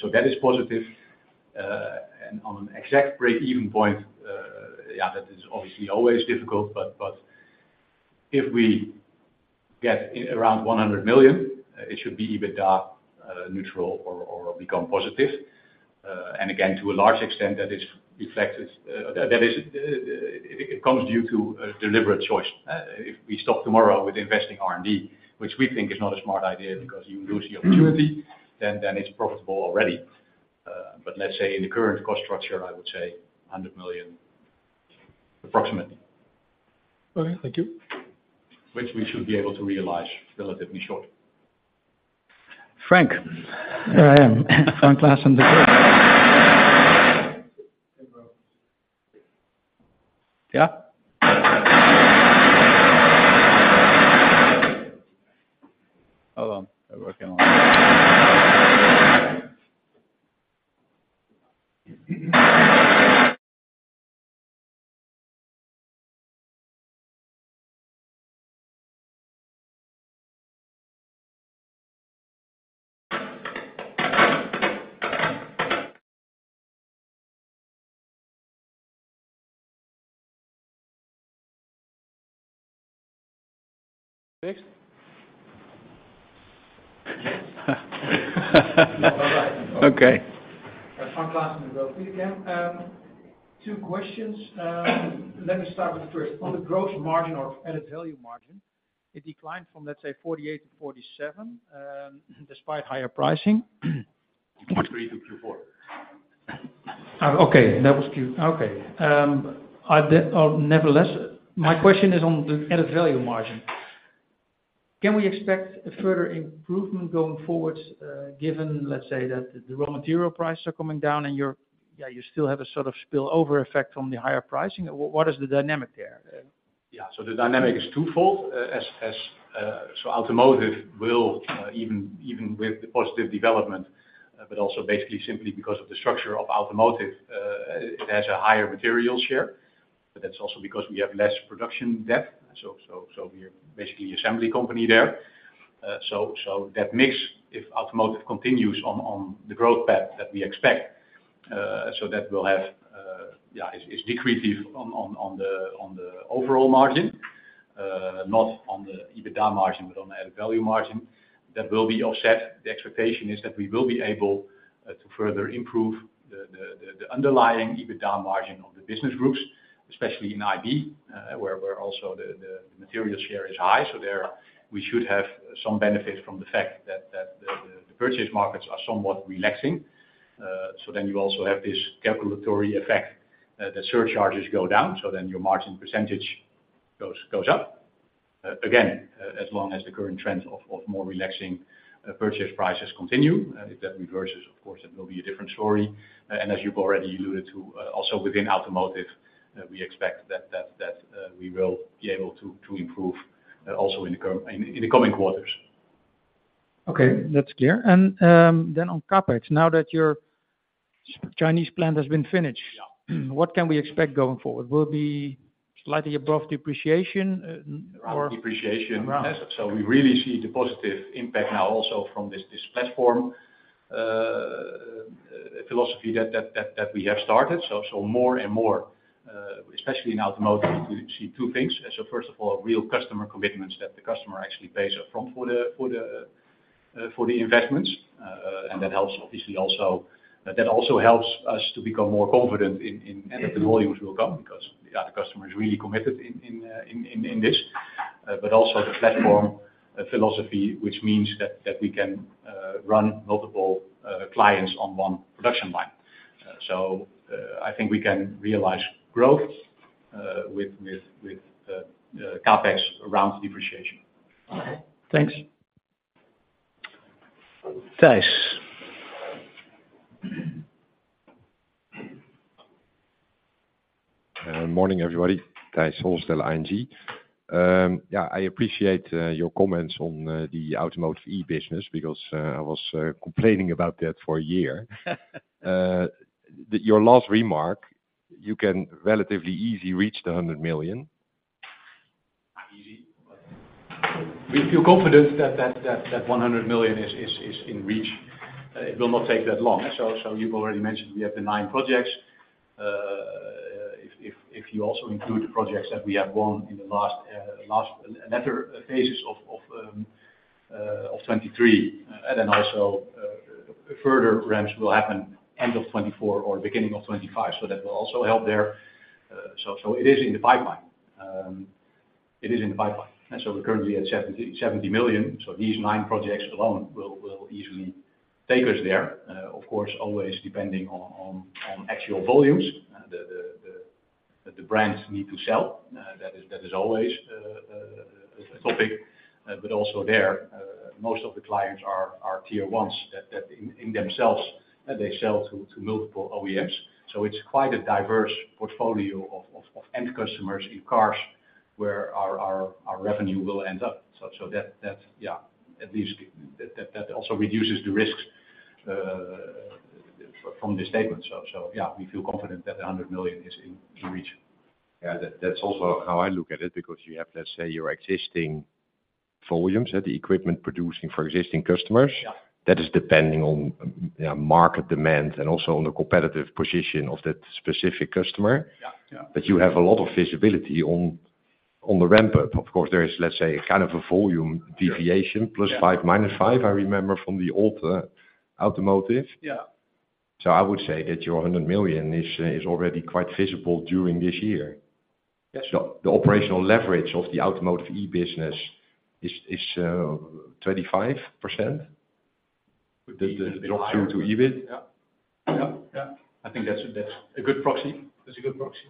So that is positive. And on an exact break-even point, yeah, that is obviously always difficult. But if we get around 100 million, it should be EBITDA neutral or become positive. And again, to a large extent, that is reflected, that is, it comes due to deliberate choice. If we stop tomorrow with investing R&D, which we think is not a smart idea because you lose the opportunity, then it's profitable already. But let's say in the current cost structure, I would say 100 million approximately. Okay. Thank you. Which we should be able to realize relatively short. Frank. Here I am. Frank Claassen. Yeah? Hold on. We're working on it. Fixed? Yes. Okay. Frank Claassen, the growth lead again. Two questions. Let me start with the first. On the gross margin or added value margin, it declined from, let's say, 48%-47% despite higher pricing. Q3 to Q4. Okay. That was Q. Okay. Nevertheless, my question is on the added value margin. Can we expect further improvement going forwards given, let's say, that the raw material prices are coming down and you still have a sort of spillover effect from the higher pricing? What is the dynamic there? Yeah. So the dynamic is twofold. So automotive will, even with the positive development, but also basically simply because of the structure of automotive, it has a higher material share. But that's also because we have less production depth. So we're basically an assembly company there. So that mix, if automotive continues on the growth path that we expect, so that will have yeah, is decreasing on the overall margin, not on the EBITDA margin, but on the added value margin. That will be offset. The expectation is that we will be able to further improve the underlying EBITDA margin of the business groups, especially in IB, where also the material share is high. So we should have some benefit from the fact that the purchase markets are somewhat relaxing. So then you also have this calculatory effect that surcharges go down. So then your margin percentage goes up. Again, as long as the current trends of more relaxing purchase prices continue. If that reverses, of course, that will be a different story. And as you've already alluded to, also within automotive, we expect that we will be able to improve also in the coming quarters. Okay. That's clear. And then on CapEx, now that your Chinese plant has been finished, what can we expect going forward? Will it be slightly above depreciation or? Around depreciation. So we really see the positive impact now also from this platform philosophy that we have started. So more and more, especially in automotive, we see two things. So first of all, real customer commitments that the customer actually pays upfront for the investments. And that helps, obviously, also that also helps us to become more confident in the volumes will come because, yeah, the customer is really committed in this. But also the platform philosophy, which means that we can run multiple clients on one production line. So I think we can realize growth with CapEx around depreciation. Okay. Thanks. Thijs. Morning, everybody. Thijs Berkelder, ING. Yeah, I appreciate your comments on the Automotive E business because I was complaining about that for a year. Your last remark, you can relatively easy reach the 100 million. Not easy, but. We feel confident that 100 million is in reach. It will not take that long. So you've already mentioned we have the 9 projects. If you also include the projects that we have won in the last latter phases of 2023, then also further ramps will happen end of 2024 or beginning of 2025. So that will also help there. It is in the pipeline. It is in the pipeline. So we're currently at 70 million. So these 9 projects alone will easily take us there. Of course, always depending on actual volumes. The brands need to sell. That is always a topic. But also there, most of the clients are Tier 1s that in themselves, they sell to multiple OEMs. So it's quite a diverse portfolio of end customers in cars where our revenue will end up. So yeah, at least that also reduces the risks from this statement. So yeah, we feel confident that 100 million is in reach. Yeah. That's also how I look at it because you have, let's say, your existing volumes, the equipment producing for existing customers. That is depending on market demand and also on the competitive position of that specific customer. But you have a lot of visibility on the ramp-up. Of course, there is, let's say, kind of a volume deviation +5/-5, I remember, from the old automotive. So I would say that your 100 million is already quite visible during this year. The operational leverage of the Automotive E business is 25%. The drop through to EBIT. Yeah. Yeah. Yeah. I think that's a good proxy. That's a good proxy.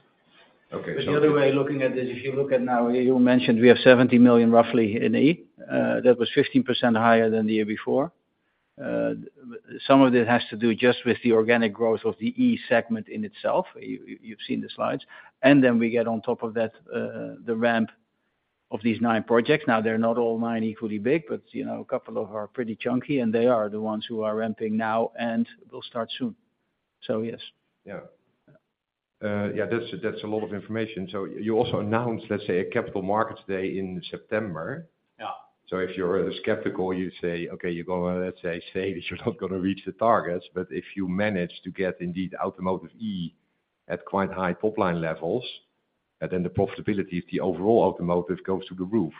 But the other way looking at this, if you look at now, you mentioned we have roughly 70 million in E. That was 15% higher than the year before. Some of it has to do just with the organic growth of the E segment in itself. You've seen the slides. And then we get on top of that the ramp of these 9 projects. Now, they're not all nine equally big, but a couple of them are pretty chunky, and they are the ones who are ramping now and will start soon. So yes. Yeah. Yeah. That's a lot of information. So you also announced, let's say, a capital markets day in September. So if you're skeptical, you say, "Okay, you're going to, let's say, say that you're not going to reach the targets." But if you manage to get indeed Automotive E at quite high top-line levels, then the profitability of the overall automotive goes to the roof.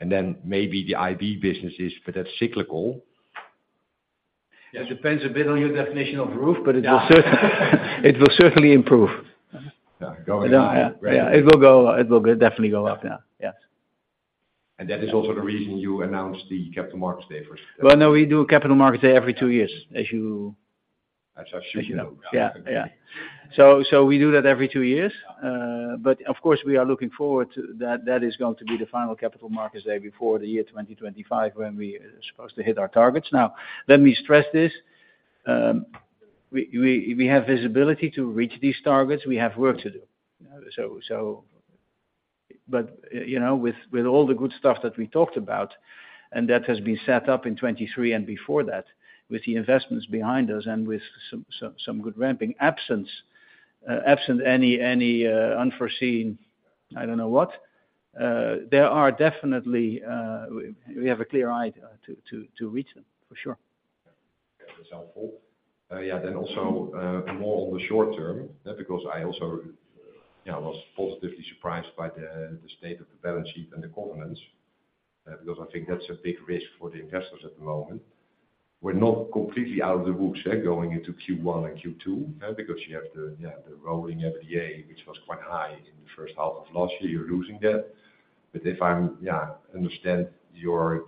And then maybe the IB businesses, but that's cyclical. Yeah. It depends a bit on your definition of roof, but it will certainly improve. Yeah. Going up. Yeah. It will definitely go up. Yeah. Yes. And that is also the reason you announced the capital markets day first. Well, no, we do a capital markets day every two years as you should know. Yeah. Yeah. So we do that every two years. But of course, we are looking forward to that is going to be the final capital markets day before the year 2025 when we're supposed to hit our targets. Now, let me stress this. We have visibility to reach these targets. We have work to do. But with all the good stuff that we talked about, and that has been set up in 2023 and before that, with the investments behind us and with some good ramping, absent any unforeseen, I don't know what, there are definitely we have a clear eye to reach them, for sure. Yeah. That was helpful. Yeah. Then also more on the short term because I also was positively surprised by the state of the balance sheet and the covenants because I think that's a big risk for the investors at the moment. We're not completely out of the woods going into Q1 and Q2 because you have the rolling EBITDA, which was quite high in the first half of last year. You're losing that. But if I understand your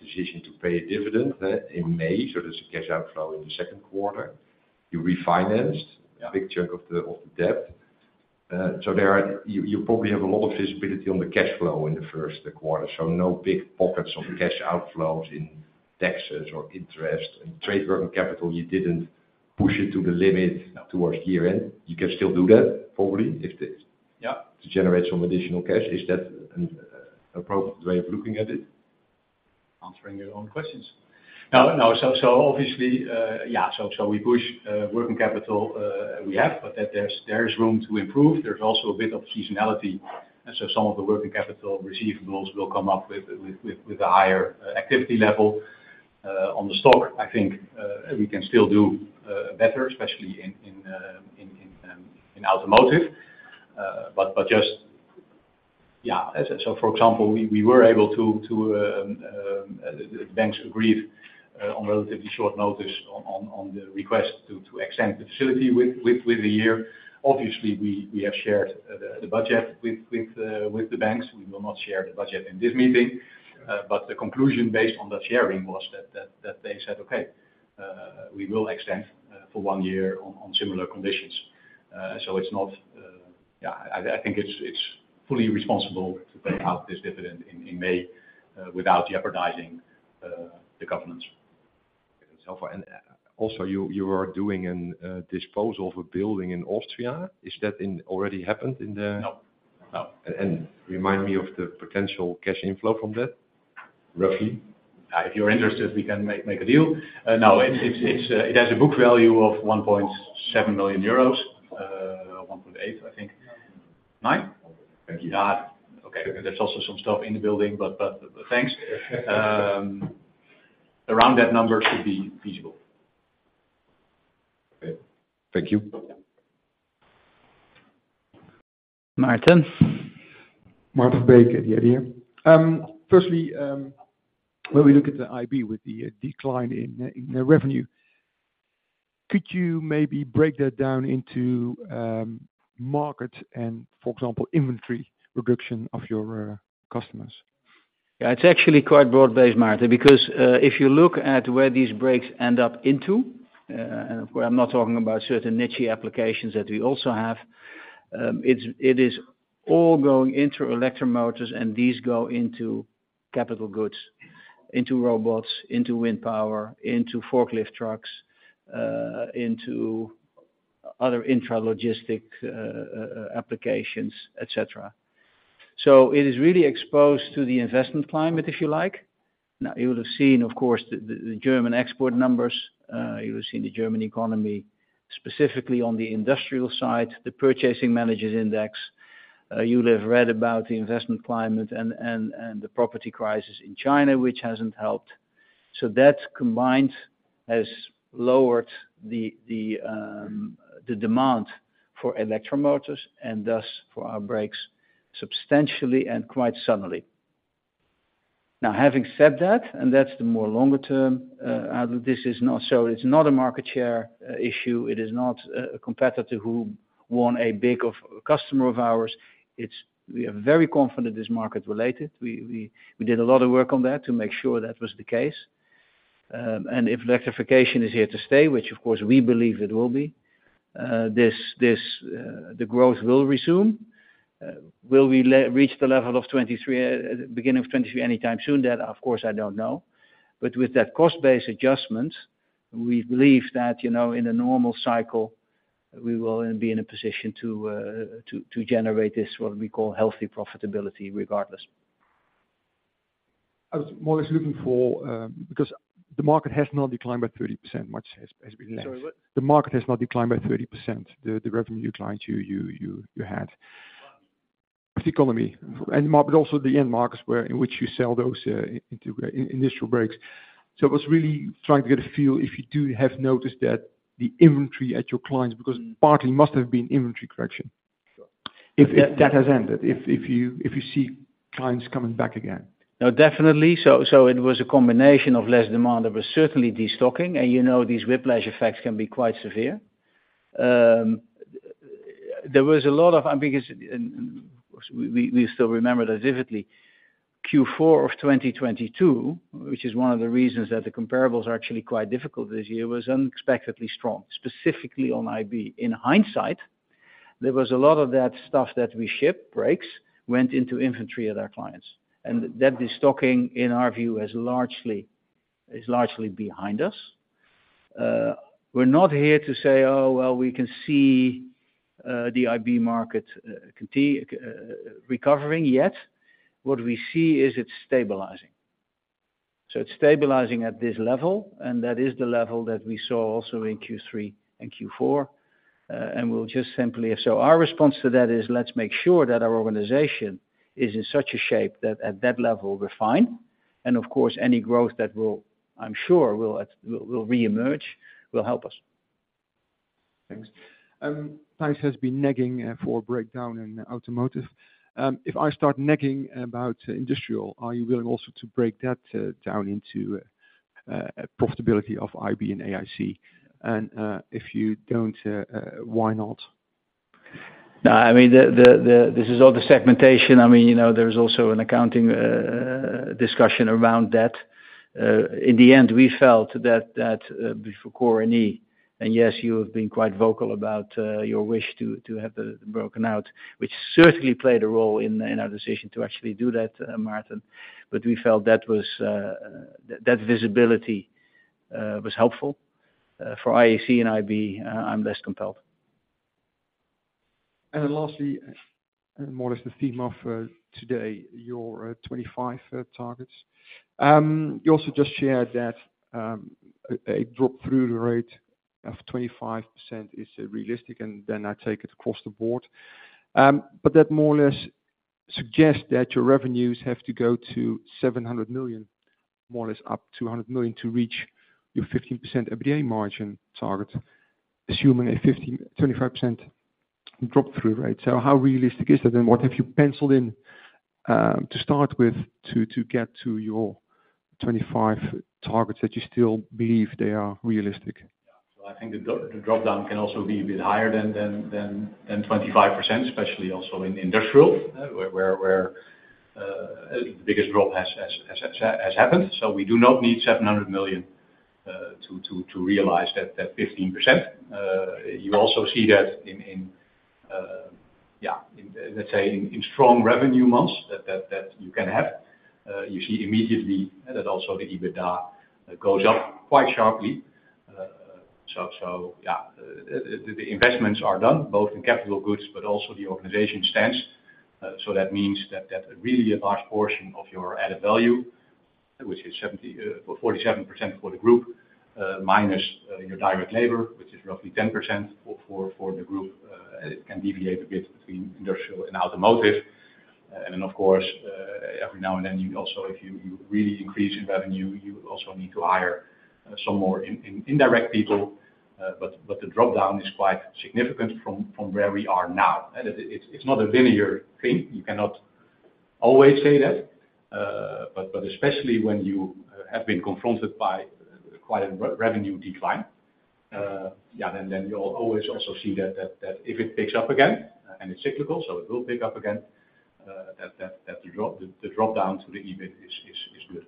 decision to pay a dividend in May, so there's a cash outflow in the second quarter, you refinanced a big chunk of the debt. So you probably have a lot of visibility on the cash flow in the first quarter. So no big pockets of cash outflows in taxes or interest and trade working capital. You didn't push it to the limit towards year-end. You can still do that, probably, to generate some additional cash. Is that an appropriate way of looking at it? Answering your own questions. No, no. So obviously, yeah, so we push working capital. We have, but there's room to improve. There's also a bit of seasonality. So some of the working capital receivables will come up with a higher activity level. On the stock, I think we can still do better, especially in automotive. But just, yeah, so for example, we were able to the banks agreed on relatively short notice on the request to extend the facility with the year. Obviously, we have shared the budget with the banks. We will not share the budget in this meeting. But the conclusion based on that sharing was that they said, "Okay, we will extend for one year on similar conditions." So it's not yeah, I think it's fully responsible to pay out this dividend in May without jeopardizing the governance. That's helpful. Also, you were doing a disposal of a building in Austria. Is that already happened in the? No. No. And remind me of the potential cash inflow from that, roughly. Yeah. If you're interested, we can make a deal. No, it has a book value of 1.7 million euros, 1.8, I think. 9? Thank you. Okay. There's also some stuff in the building, but thanks. Around that number should be feasible. Okay. Thank you. Martin. Maarten Verbeek, The Idea. Firstly, when we look at the IB with the decline in revenue, could you maybe break that down into market and, for example, inventory reduction of your customers? Yeah. It's actually quite broad-based, Martin, because if you look at where these brakes end up into and of course, I'm not talking about certain niche applications that we also have. It is all going into electric motors, and these go into capital goods, into robots, into wind power, into forklift trucks, into other intralogistics applications, etc. So it is really exposed to the investment climate, if you like. Now, you would have seen, of course, the German export numbers. You would have seen the German economy, specifically on the industrial side, the Purchasing Managers' Index. You would have read about the investment climate and the property crisis in China, which hasn't helped. So that combined has lowered the demand for electric motors and thus for our brakes substantially and quite suddenly. Now, having said that, and that's the more longer-term outlook, this is not so it's not a market share issue. It is not a competitor who won a big customer of ours. We are very confident this market-related. We did a lot of work on that to make sure that was the case. And if electrification is here to stay, which of course, we believe it will be, the growth will resume. Will we reach the level of 2023, beginning of 2023, anytime soon, that, of course, I don't know. But with that cost-based adjustment, we believe that in a normal cycle, we will be in a position to generate this what we call healthy profitability regardless. I was more or less looking for because the market has not declined by 30% much. It has been less. Sorry. What? The market has not declined by 30%, the revenue clients you had, with the economy, but also the end markets in which you sell those Industrial Brakes. So I was really trying to get a feel if you do have noticed that the inventory at your clients because partly must have been inventory correction if that has ended, if you see clients coming back again. No, definitely. So it was a combination of less demand. There was certainly destocking, and you know these whiplash effects can be quite severe. There was a lot of I mean, because we still remember that vividly, Q4 of 2022, which is one of the reasons that the comparables are actually quite difficult this year, was unexpectedly strong, specifically on IB. In hindsight, there was a lot of that stuff that we ship, brakes, went into inventory at our clients. And that destocking, in our view, is largely behind us. We're not here to say, "Oh, well, we can see the IB market recovering yet." What we see is it's stabilizing. So it's stabilizing at this level, and that is the level that we saw also in Q3 and Q4. And we'll just simply so our response to that is, "Let's make sure that our organization is in such a shape that at that level, we're fine." And of course, any growth that will, I'm sure, will reemerge will help us. Thanks. Thijs has been nagging for a breakdown in automotive. If I start nagging about industrial, are you willing also to break that down into profitability of IB and IAC? And if you don't, why not? No, I mean, this is all the segmentation. I mean, there was also an accounting discussion around that. In the end, we felt that before Automotive Core & E and yes, you have been quite vocal about your wish to have the broken out, which certainly played a role in our decision to actually do that, Martin. But we felt that visibility was helpful. For IAC and IB, I'm less compelled. And then lastly, more or less the theme of today, your 2025 targets. You also just shared that a drop through the rate of 25% is realistic, and then I take it across the board. But that more or less suggests that your revenues have to go to 700 million, more or less up 200 million to reach your 15% MDA margin target, assuming a 25% drop-through rate. So how realistic is that? And what have you penciled in to start with to get to your 2025 targets that you still believe they are realistic? Yeah. So I think the dropdown can also be a bit higher than 25%, especially also in industrial where the biggest drop has happened. So we do not need 700 million to realize that 15%. You also see that in, yeah, let's say, in strong revenue months that you can have, you see immediately that also the EBITDA goes up quite sharply. So yeah, the investments are done, both in capital goods but also the organization stands. So that means that really a large portion of your added value, which is 47% for the group, minus your direct labor, which is roughly 10% for the group, can deviate a bit between industrial and automotive. And then, of course, every now and then, also, if you really increase in revenue, you also need to hire some more indirect people. But the dropdown is quite significant from where we are now. It's not a linear thing. You cannot always say that. But especially when you have been confronted by quite a revenue decline, yeah, then you'll always also see that if it picks up again, and it's cyclical, so it will pick up again, that the dropdown to the EBIT is good.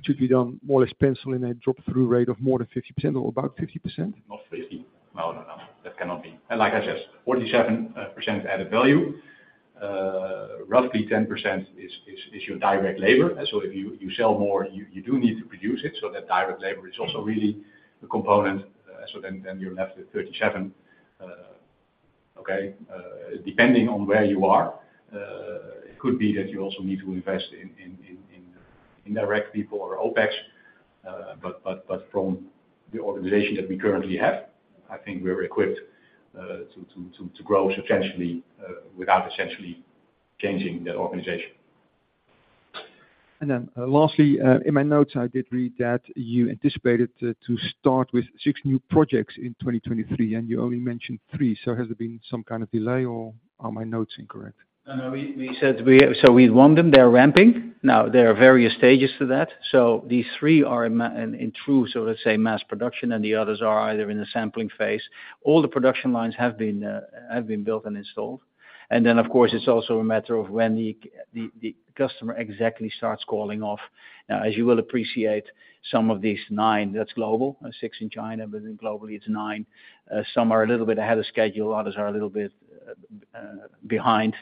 Should we then more or less pencil in a drop-through rate of more than 50% or about 50%? Not 50. No, no, no. That cannot be. And like I said, 47% added value, roughly 10% is your direct labor. So if you sell more, you do need to produce it. So that direct labor is also really a component. So then you're left with 37, okay? Depending on where you are, it could be that you also need to invest in indirect people or OPEX. But from the organization that we currently have, I think we're equipped to grow substantially without essentially changing that organization. And then lastly, in my notes, I did read that you anticipated to start with 6 new projects in 2023, and you only mentioned 3. So has there been some kind of delay, or are my notes incorrect? No, no. So we'd warned them. They're ramping. Now, there are various stages to that. So these 3 are in true, so let's say, mass production, and the others are either in the sampling phase. All the production lines have been built and installed. And then, of course, it's also a matter of when the customer exactly starts calling off. Now, as you will appreciate, some of these 9, that's global, 6 in China, but then globally, it's 9. Some are a little bit ahead of schedule. Others are a little bit behind.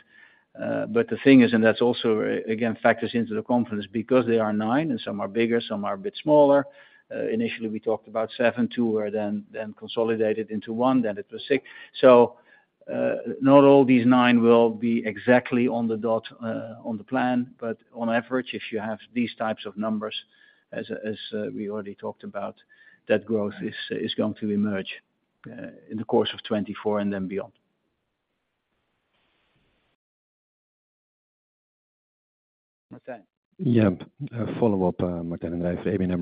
But the thing is, and that's also, again, factors into the confidence because they are 9, and some are bigger, some are a bit smaller. Initially, we talked about 7, two were then consolidated into one. Then it was 6. So not all these 9 will be exactly on the dot, on the plan. But on average, if you have these types of numbers, as we already talked about, that growth is going to emerge in the course of 2024 and then beyond. Martin? Yep. Follow-up, Martin, and I for ABN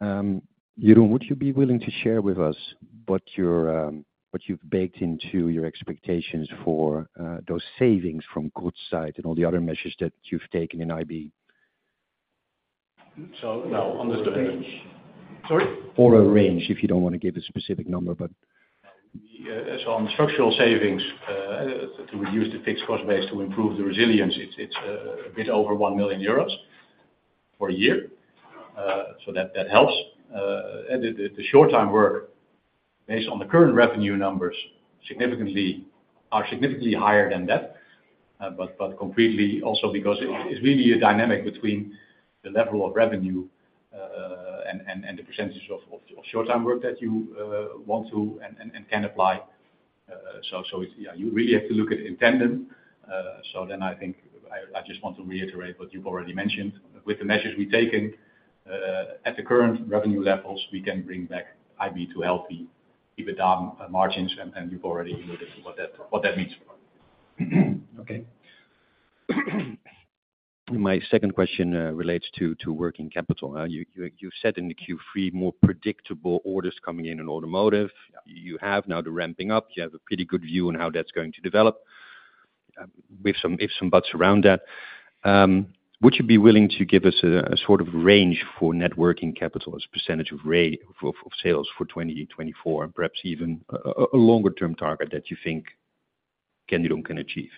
AMRO. Jeroen, would you be willing to share with us what you've baked into your expectations for those savings from goods side and all the other measures that you've taken in IB? So now, understanding. Sorry? For a range, if you don't want to give a specific number, but. So on structural savings, to reduce the fixed cost base to improve the resilience, it's a bit over 1 million euros per year. So that helps. The short-time work, based on the current revenue numbers, are significantly higher than that, but concretely also because it's really a dynamic between the level of revenue and the percentages of short-time work that you want to and can apply. So yeah, you really have to look at it in tandem. So then I think I just want to reiterate what you've already mentioned. With the measures we've taken at the current revenue levels, we can bring back IB to healthy EBITDA margins, and you've already alluded to what that means. Okay. And my second question relates to working capital. You said in the Q3, more predictable orders coming in in automotive. You have now the ramping up. You have a pretty good view on how that's going to develop with some buts around that. Would you be willing to give us a sort of range for net working capital, a percentage of sales for 2024, and perhaps even a longer-term target that you think Kendrion can achieve?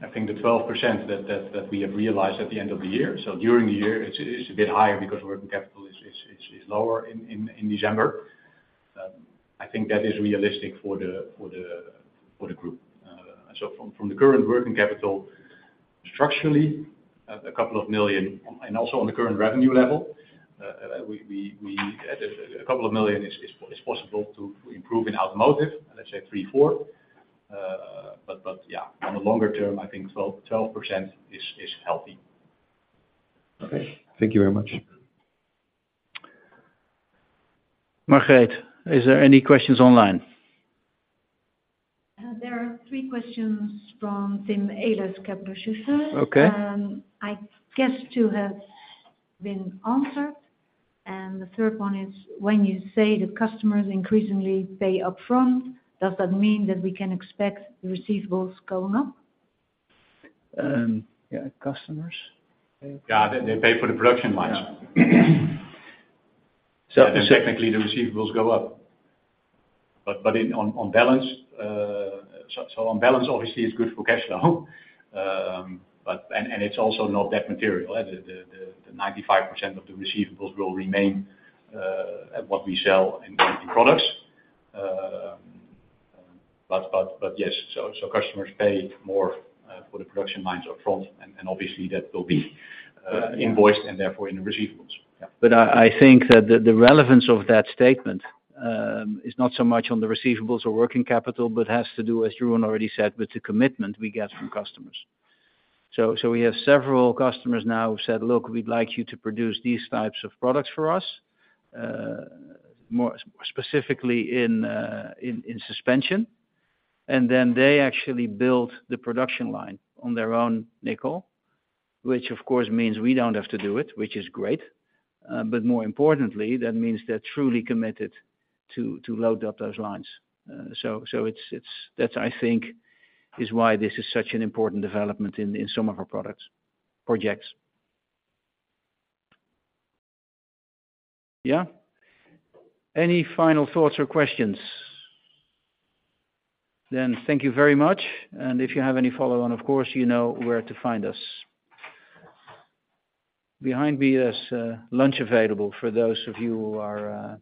I think the 12% that we have realized at the end of the year. So during the year, it's a bit higher because working capital is lower in December. I think that is realistic for the group. So from the current working capital, structurally, a couple of million EUR, and also on the current revenue level, a couple of million EUR is possible to improve in automotive, let's say 3-4. But yeah, on the longer term, I think 12% is healthy. Okay. Thank you very much. Margrethe, is there any questions online? There are three questions from Tim Ahlers, Kepler Cheuvreux. I guess two have been answered. And the third one is, when you say the customers increasingly pay upfront, does that mean that we can expect the receivables going up? Yeah. Customers? Yeah. They pay for the production lines. And technically, the receivables go up. But on balance so on balance, obviously, it's good for cash flow, and it's also not that material. The 95% of the receivables will remain at what we sell in products. But yes, so customers pay more for the production lines upfront, and obviously, that will be invoiced and therefore in the receivables. Yeah. But I think that the relevance of that statement is not so much on the receivables or working capital, but has to do, as Jeroen already said, with the commitment we get from customers. So we have several customers now who've said, "Look, we'd like you to produce these types of products for us, specifically in suspension." And then they actually build the production line on their own nickel, which, of course, means we don't have to do it, which is great. But more importantly, that means they're truly committed to load up those lines. So that's, I think, is why this is such an important development in some of our products, projects. Yeah. Any final thoughts or questions? Then thank you very much. And if you have any follow-on, of course, you know where to find us. Behind me is lunch available for those of you who are.